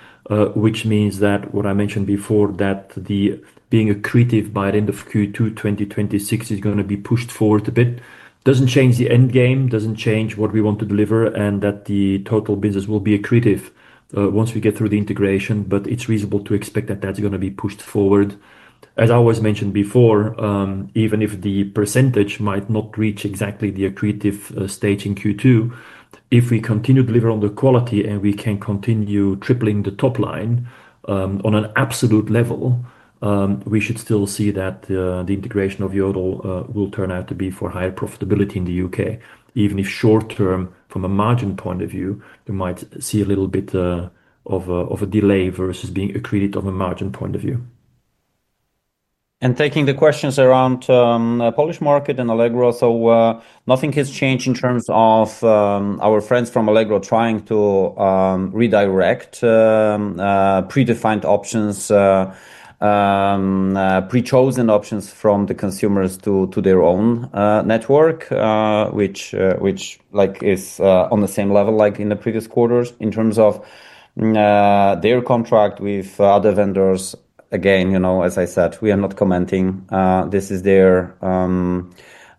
which means that what I mentioned before, that the being accretive by the end of Q2 2026 is going to be pushed forward a bit. It does not change the end game, does not change what we want to deliver, and that the total business will be accretive once we get through the integration. It is reasonable to expect that that's going to be pushed forward. As I was mentioned before, even if the percentage might not reach exactly the accretive stage in Q2, if we continue to deliver on the quality and we can continue tripling the topline on an absolute level, we should still see that the integration of Yodel will turn out to be for higher profitability in the U.K., even if short-term, from a margin point of view, you might see a little bit of a delay versus being accretive from a margin point of view. Taking the questions around the Polish market and Allegro, nothing has changed in terms of our friends from Allegro trying to redirect predefined options, pre-chosen options from the consumers to their own network, which is on the same level like in the previous quarters in terms of their contract with other vendors. Again, as I said, we are not commenting. This is their own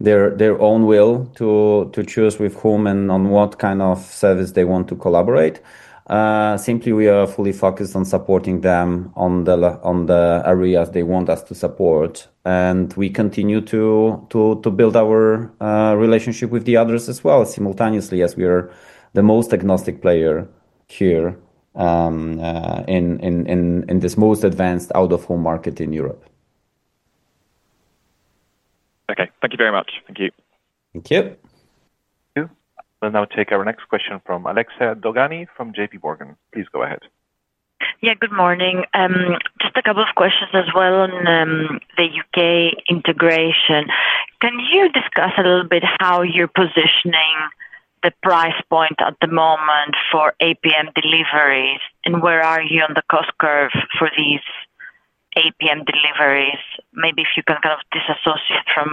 will to choose with whom and on what kind of service they want to collaborate. Simply, we are fully focused on supporting them on the areas they want us to support. We continue to build our relationship with the others as well, simultaneously, as we are the most agnostic player here in this most advanced out-of-home market in Europe. Okay. Thank you very much. Thank you. Thank you. Thank you. Thank you. We'll now take our next question from Alexia Dogani from JPMorgan. Please go ahead. Yeah, good morning. Just a couple of questions as well on the U.K. integration. Can you discuss a little bit how you're positioning the price point at the moment for APM deliveries, and where are you on the cost curve for these APM deliveries, maybe if you can kind of disassociate from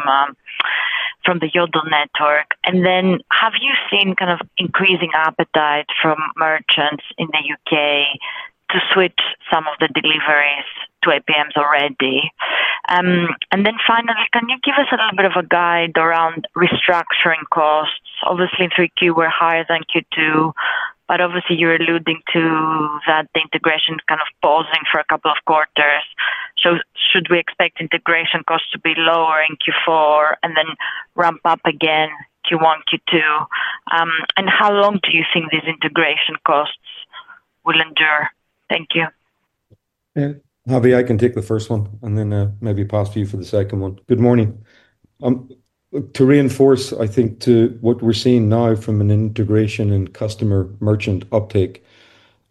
the Yodel network? Have you seen kind of increasing appetite from merchants in the U.K. to switch some of the deliveries to APMs already? Finally, can you give us a little bit of a guide around restructuring costs? Obviously, in Q3, we're higher than Q2, but obviously, you're alluding to that the integration is kind of pausing for a couple of quarters. Should we expect integration costs to be lower in Q4 and then ramp up again Q1, Q2? How long do you think these integration costs will endure? Thank you. Javier, I can take the first one, and then maybe pass to you for the second one. Good morning. To reinforce, I think, to what we're seeing now from an integration and customer merchant uptake,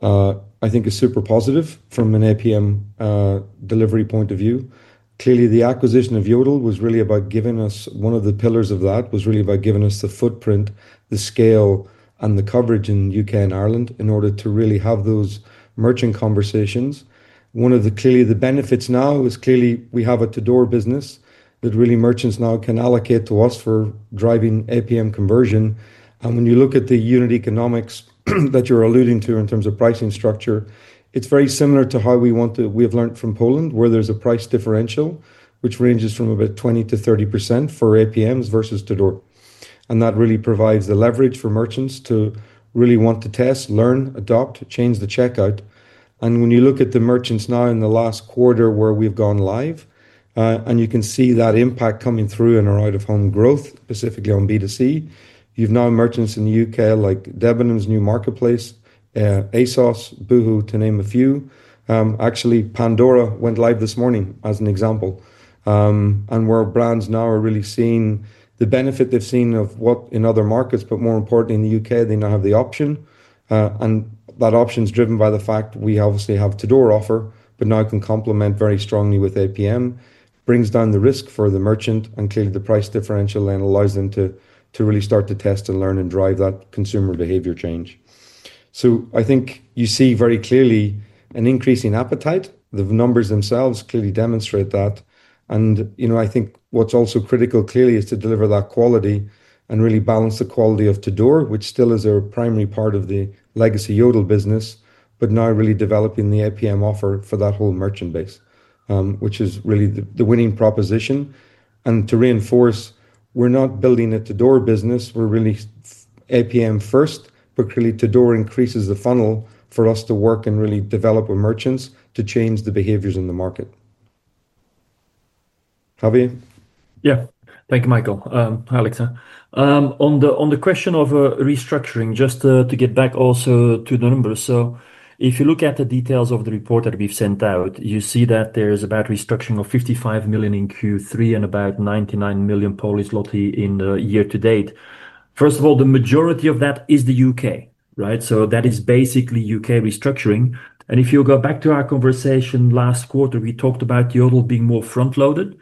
I think it's super positive from an APM delivery point of view. Clearly, the acquisition of Yodel was really about giving us one of the pillars of that, was really about giving us the footprint, the scale, and the coverage in the U.K. and Ireland in order to really have those merchant conversations. One of the clearly the benefits now is clearly we have a to-door business that really merchants now can allocate to us for driving APM conversion. When you look at the unit economics that you're alluding to in terms of pricing structure, it's very similar to how we want to we have learned from Poland, where there's a price differential, which ranges from about 20%-30% for APMs versus to-door. That really provides the leverage for merchants to really want to test, learn, adopt, change the checkout. When you look at the merchants now in the last quarter where we've gone live, you can see that impact coming through in our out-of-home growth, specifically on B2C. You've now merchants in the U.K. like Debenhams New Marketplace, ASOS, Boohoo, to name a few. Actually, Pandora went live this morning as an example. Where brands now are really seeing the benefit they've seen of what in other markets, but more importantly, in the U.K., they now have the option. That option is driven by the fact we obviously have to-door offer, but now can complement very strongly with APM, brings down the risk for the merchant, and clearly the price differential then allows them to really start to test and learn and drive that consumer behavior change. I think you see very clearly an increasing appetite. The numbers themselves clearly demonstrate that. I think what is also critical clearly is to deliver that quality and really balance the quality of to-door, which still is a primary part of the legacy Yodel business, but now really developing the APM offer for that whole merchant base, which is really the winning proposition. To reinforce, we are not building a to-door business. We are really APM first, but clearly to-door increases the funnel for us to work and really develop with merchants to change the behaviors in the market. Javier? Yeah. Thank you, Michael, Alexia. On the question of restructuring, just to get back also to the numbers. If you look at the details of the report that we have sent out, you see that there is about restructuring of 55 million in Q3 and about 99 million in the year-to-date. First of all, the majority of that is the U.K., right? That is basically U.K. restructuring. If you go back to our conversation last quarter, we talked about Yodel being more front-loaded.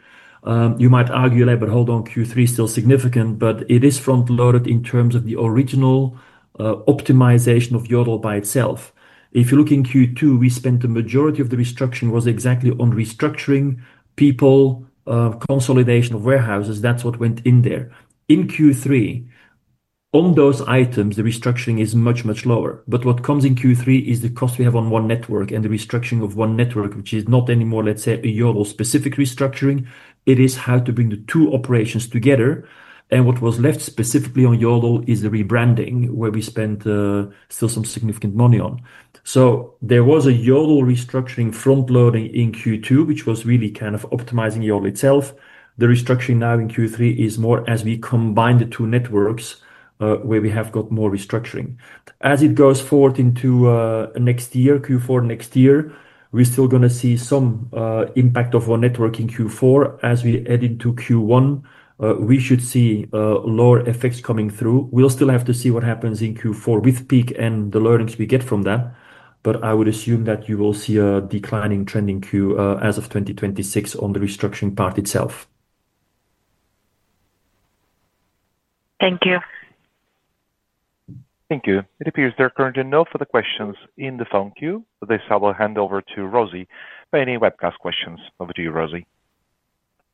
You might argue, but hold on, Q3 is still significant, but it is front-loaded in terms of the original optimization of Yodel by itself. If you look in Q2, the majority of the restructuring was exactly on restructuring people, consolidation of warehouses. That is what went in there. In Q3, on those items, the restructuring is much, much lower. What comes in Q3 is the cost we have on one network and the restructuring of one network, which is not anymore, let's say, a Yodel-specific restructuring. It is how to bring the two operations together. What was left specifically on Yodel is the rebranding, where we spent still some significant money on. There was a Yodel restructuring front-loading in Q2, which was really kind of optimizing Yodel itself. The restructuring now in Q3 is more as we combine the two networks where we have got more restructuring. As it goes forward into next year, Q4 next year, we're still going to see some impact of our network in Q4. As we add into Q1, we should see lower effects coming through. We'll still have to see what happens in Q4 with peak and the learnings we get from that. I would assume that you will see a declining trend in Q as of 2026 on the restructuring part itself. Thank you. Thank you. It appears there are currently no further questions in the phone queue. With this, I will hand over to Rosie for any webcast questions. Over to you, Rosie.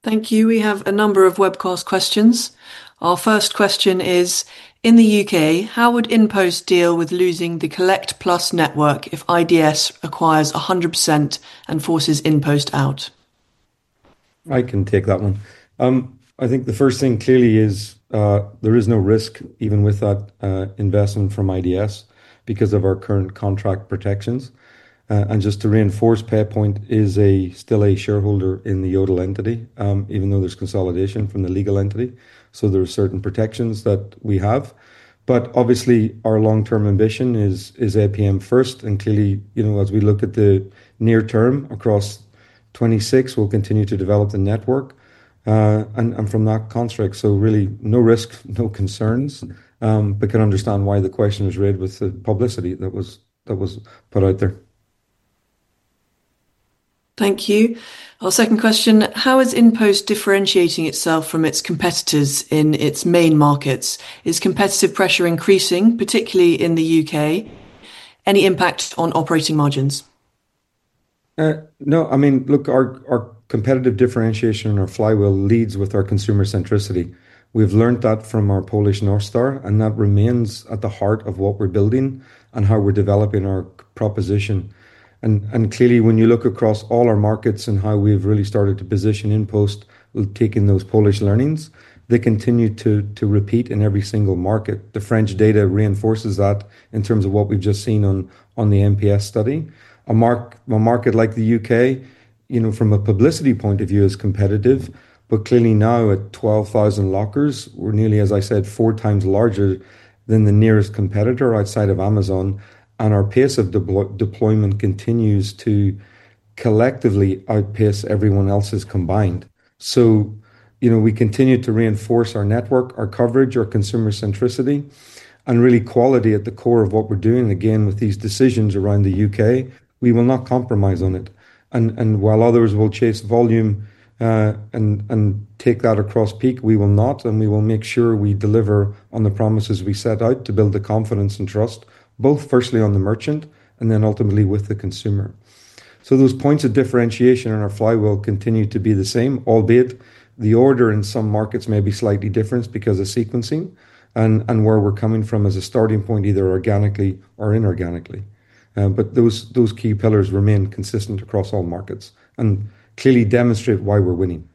Thank you. We have a number of webcast questions. Our first question is, in the U.K., how would InPost deal with losing the Collect+ network if IDS acquires 100% and forces InPost out? I can take that one. I think the first thing clearly is there is no risk even with that investment from IDS because of our current contract protections. Just to reinforce, PairPoint is still a shareholder in the Yodel entity, even though there is consolidation from the legal entity. There are certain protections that we have. Obviously, our long-term ambition is APM first. Clearly, as we look at the near term across 2026, we will continue to develop the network. From that construct, really no risk, no concerns, but I can understand why the question was read with the publicity that was put out there. Thank you. Our second question, how is InPost differentiating itself from its competitors in its main markets? Is competitive pressure increasing, particularly in the U.K.? Any impact on operating margins? No. I mean, look, our competitive differentiation and our flywheel leads with our consumer centricity. We've learned that from our Polish North Star, and that remains at the heart of what we're building and how we're developing our proposition. Clearly, when you look across all our markets and how we've really started to position InPost, taking those Polish learnings, they continue to repeat in every single market. The French data reinforces that in terms of what we've just seen on the MPS study. A market like the U.K., from a publicity point of view, is competitive, but clearly now at 12,000 lockers, we're nearly, as I said, four times larger than the nearest competitor outside of Amazon. Our pace of deployment continues to collectively outpace everyone else's combined. We continue to reinforce our network, our coverage, our consumer centricity, and really quality at the core of what we're doing, again, with these decisions around the U.K. We will not compromise on it. While others will chase volume and take that across peak, we will not, and we will make sure we deliver on the promises we set out to build the confidence and trust, both firstly on the merchant and then ultimately with the consumer. Those points of differentiation in our flywheel continue to be the same, albeit the order in some markets may be slightly different because of sequencing and where we're coming from as a starting point, either organically or inorganically. Those key pillars remain consistent across all markets and clearly demonstrate why we're winning.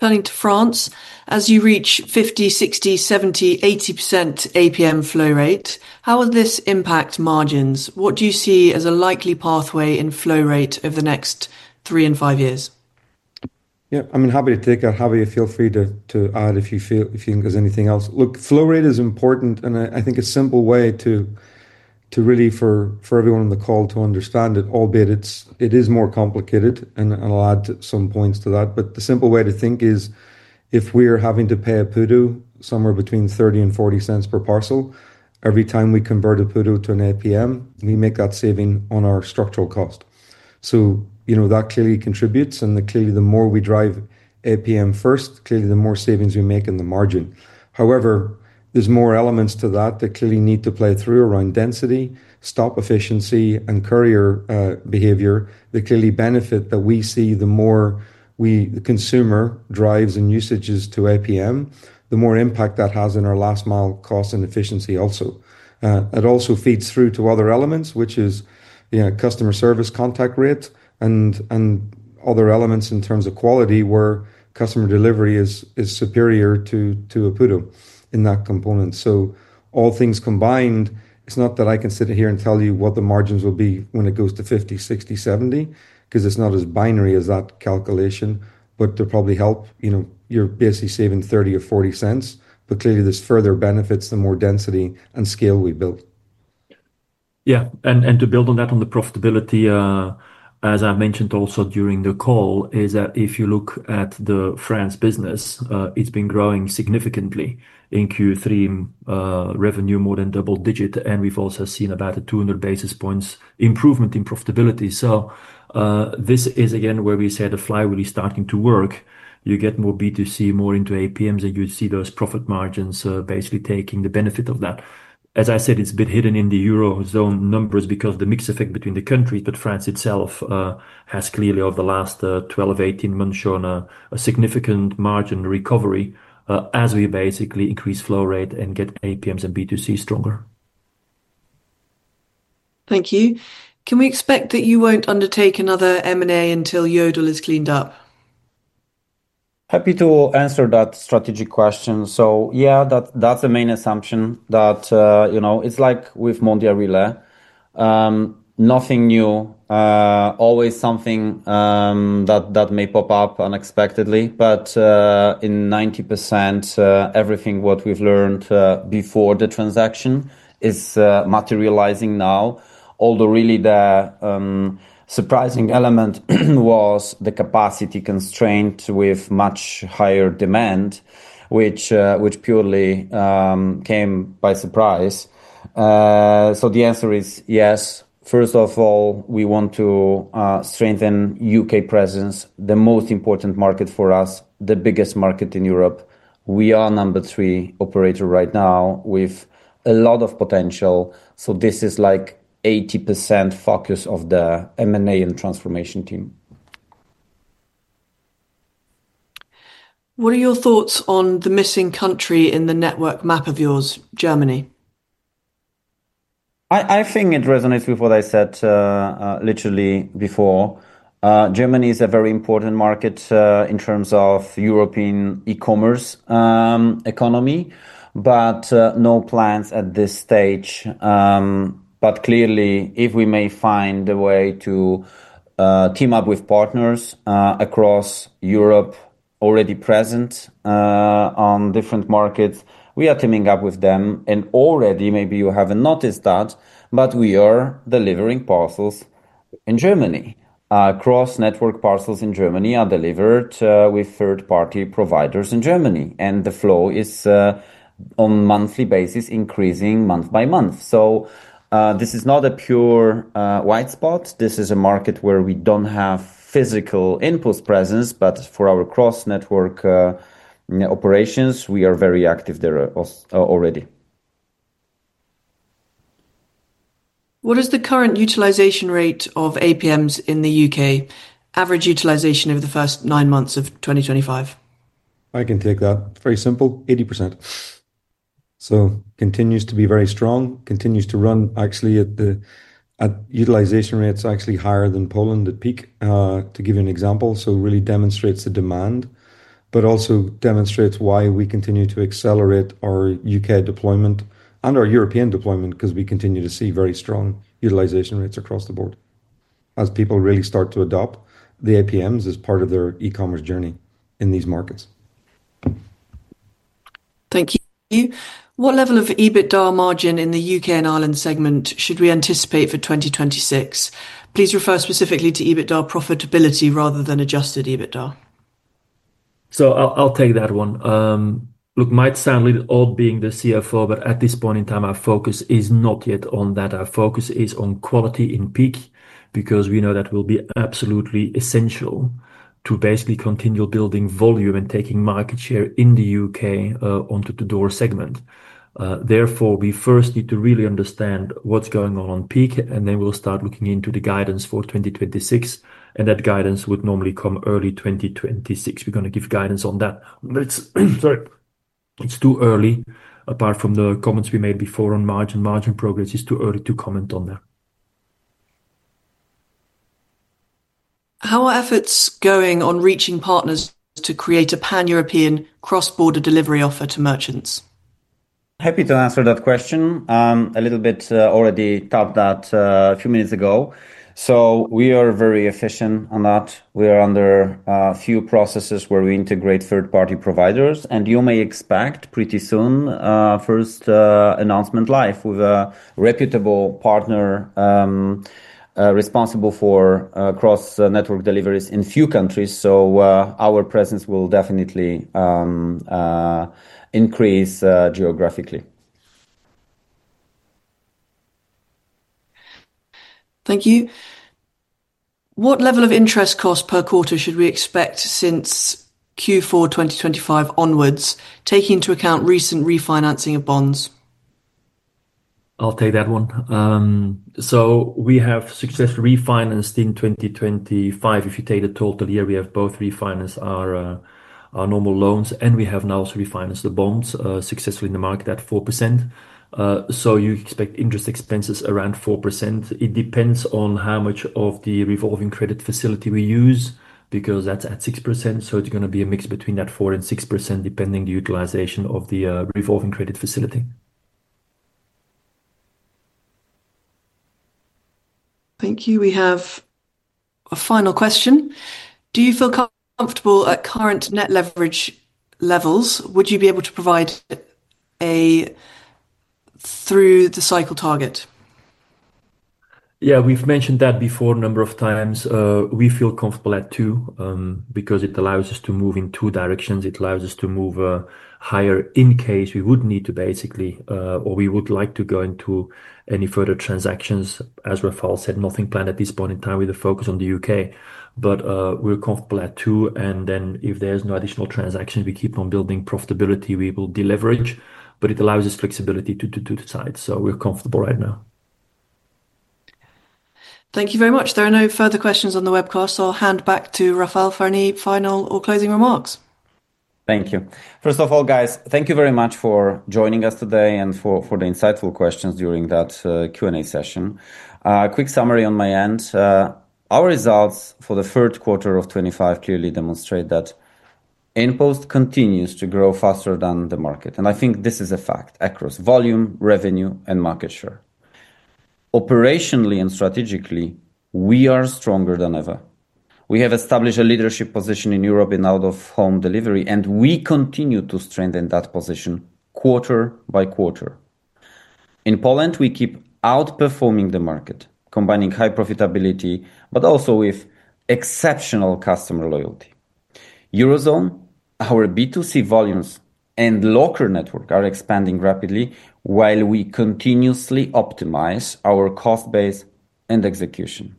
Turning to France, as you reach 50%, 60%, 70%, 80% APM flow rate, how will this impact margins? What do you see as a likely pathway in flow rate over the next three and five years? Yeah. I'm happy to take that, Javier. Feel free to add if you think there's anything else. Look, flow rate is important, and I think it's a simple way to really, for everyone on the call to understand it, albeit it is more complicated and I'll add some points to that. The simple way to think is if we are having to pay a PUDO somewhere between 0.30 and 0.40 per parcel, every time we convert a PUDO to an APM, we make that saving on our structural cost. That clearly contributes, and clearly the more we drive APM first, the more savings we make in the margin. However, there are more elements to that that clearly need to play through around density, stop efficiency, and courier behavior. The clearly benefit that we see, the more the consumer drives and usages to APM, the more impact that has in our last-mile cost and efficiency also. It also feeds through to other elements, which is customer service contact rate and other elements in terms of quality where customer delivery is superior to a PUDO in that component. All things combined, it's not that I can sit here and tell you what the margins will be when it goes to 50%, 60%, 70% because it's not as binary as that calculation, but to probably help, you're basically saving 0.30 or 0.40, but clearly there's further benefits, the more density and scale we build. Yeah. To build on that, on the profitability, as I mentioned also during the call, if you look at the France business, it has been growing significantly in Q3, revenue more than double-digit, and we have also seen about a 200 basis points improvement in profitability. This is, again, where we say the flywheel is starting to work. You get more B2C, more into APMs, and you see those profit margins basically taking the benefit of that. As I said, it is a bit hidden in the eurozone numbers because of the mixed effect between the countries, but France itself has clearly over the last 12-18 months shown a significant margin recovery as we basically increase flow rate and get APMs and B2C stronger. Thank you. Can we expect that you won't undertake another M&A until Yodel is cleaned up? Happy to answer that strategic question. Yeah, that's the main assumption that it's like with Mondial Relay. Nothing new, always something that may pop up unexpectedly, but in 90%, everything what we've learned before the transaction is materializing now. Although really the surprising element was the capacity constraint with much higher demand, which purely came by surprise. The answer is yes. First of all, we want to strengthen U.K. presence, the most important market for us, the biggest market in Europe. We are number three operator right now with a lot of potential. This is like 80% focus of the M&A and transformation team. What are your thoughts on the missing country in the network map of yours, Germany? I think it resonates with what I said literally before. Germany is a very important market in terms of European e-commerce economy, but no plans at this stage. Clearly, if we may find a way to team up with partners across Europe already present on different markets, we are teaming up with them. Already, maybe you haven't noticed that, but we are delivering parcels in Germany. Cross-network parcels in Germany are delivered with third-party providers in Germany, and the flow is on a monthly basis, increasing month by month. This is not a pure white spot. This is a market where we don't have physical InPost presence, but for our cross-network operations, we are very active there already. What is the current utilization rate of APMs in the U.K., average utilization over the first nine months of 2025? I can take that. Very simple, 80%. Continues to be very strong, continues to run actually at utilization rates actually higher than Poland at peak, to give you an example. Really demonstrates the demand, but also demonstrates why we continue to accelerate our U.K. deployment and our European deployment because we continue to see very strong utilization rates across the board as people really start to adopt the APMs as part of their e-commerce journey in these markets. Thank you. What level of EBITDA margin in the U.K. and Ireland segment should we anticipate for 2026? Please refer specifically to EBITDA profitability rather than adjusted EBITDA. I'll take that one. Look, [Mike said, albeit being the CFO], but at this point in time, our focus is not yet on that. Our focus is on quality in peak because we know that will be absolutely essential to basically continue building volume and taking market share in the U.K. onto the to-door segment. Therefore, we first need to really understand what's going on peak, and then we'll start looking into the guidance for 2026. That guidance would normally come early 2026. We're going to give guidance on that. Sorry. It's too early. Apart from the comments we made before on margin and margin progress, it's too early to comment on that. How are efforts going on reaching partners to create a pan-European cross-border delivery offer to merchants? Happy to answer that question. A little bit already touched on that a few minutes ago. We are very efficient on that. We are under a few processes where we integrate third-party providers, and you may expect pretty soon first announcement live with a reputable partner responsible for cross-network deliveries in a few countries. Our presence will definitely increase geographically. Thank you. What level of interest cost per quarter should we expect since Q4 2025 onwards, taking into account recent refinancing of bonds? I'll take that one. We have successfully refinanced in 2025. If you take the total year, we have both refinanced our normal loans, and we have now also refinanced the bonds successfully in the market at 4%. You expect interest expenses around 4%. It depends on how much of the revolving credit facility we use because that's at 6%. It is going to be a mix between that 4% and 6% depending on the utilization of the revolving credit facility. Thank you. We have a final question. Do you feel comfortable at current net leverage levels? Would you be able to provide a through-the-cycle target? Yeah, we've mentioned that before a number of times. We feel comfortable at two because it allows us to move in two directions. It allows us to move higher in case we would need to basically, or we would like to go into any further transactions. As Rafał said, nothing planned at this point in time with a focus on the U.K., but we're comfortable at two. If there's no additional transactions, we keep on building profitability. We will deleverage, but it allows us flexibility to do the side. We're comfortable right now. Thank you very much. There are no further questions on the webcast, so I'll hand back to Rafał for any final or closing remarks. Thank you. First of all, guys, thank you very much for joining us today and for the insightful questions during that Q&A session. Quick summary on my end. Our results for the third quarter of 2025 clearly demonstrate that InPost continues to grow faster than the market. I think this is a fact across volume, revenue, and market share. Operationally and strategically, we are stronger than ever. We have established a leadership position in Europe in out-of-home delivery, and we continue to strengthen that position quarter by quarter. In Poland, we keep outperforming the market, combining high profitability, but also with exceptional customer loyalty. Eurozone, our B2C volumes, and locker network are expanding rapidly while we continuously optimize our cost base and execution.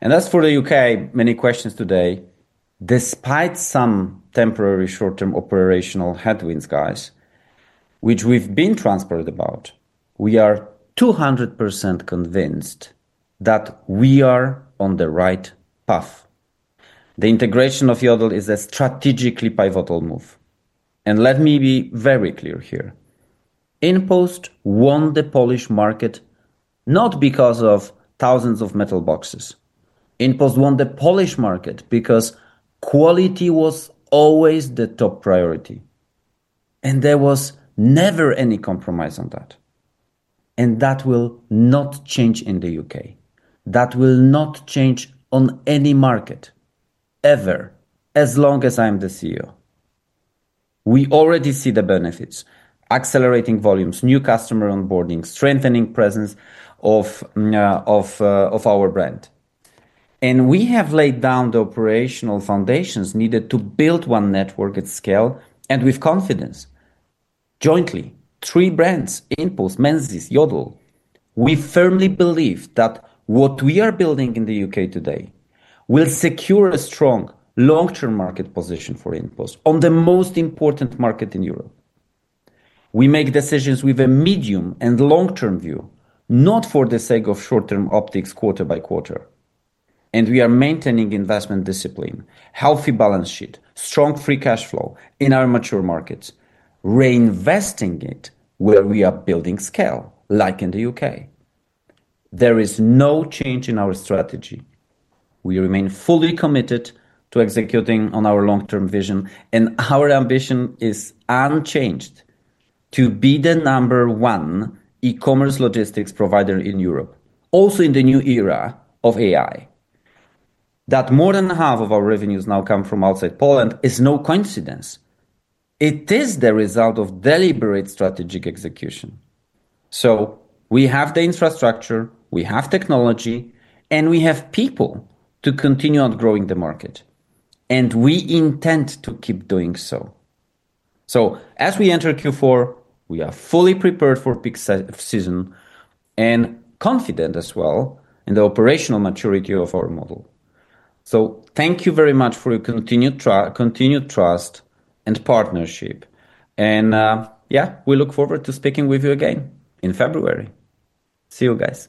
As for the U.K., many questions today. Despite some temporary short-term operational headwinds, guys, which we've been transparent about, we are 200% convinced that we are on the right path. The integration of Yodel is a strategically pivotal move. Let me be very clear here. InPost won the Polish market not because of thousands of metal boxes. InPost won the Polish market because quality was always the top priority, and there was never any compromise on that. That will not change in the U.K. That will not change on any market ever as long as I'm the CEO. We already see the benefits: accelerating volumes, new customer onboarding, strengthening presence of our brand. We have laid down the operational foundations needed to build one network at scale, and with confidence, jointly, three brands: InPost, Menzies, Yodel. We firmly believe that what we are building in the U.K. today will secure a strong long-term market position for InPost on the most important market in Europe. We make decisions with a medium and long-term view, not for the sake of short-term optics quarter by quarter. We are maintaining investment discipline, healthy balance sheet, strong free cash flow in our mature markets, reinvesting it where we are building scale, like in the U.K. There is no change in our strategy. We remain fully committed to executing on our long-term vision, and our ambition is unchanged to be the number one e-commerce logistics provider in Europe, also in the new era of AI. That more than half of our revenues now come from outside Poland is no coincidence. It is the result of deliberate strategic execution. We have the infrastructure, we have technology, and we have people to continue on growing the market. We intend to keep doing so. As we enter Q4, we are fully prepared for peak season and confident as well in the operational maturity of our model. Thank you very much for your continued trust and partnership. Yeah, we look forward to speaking with you again in February. See you guys.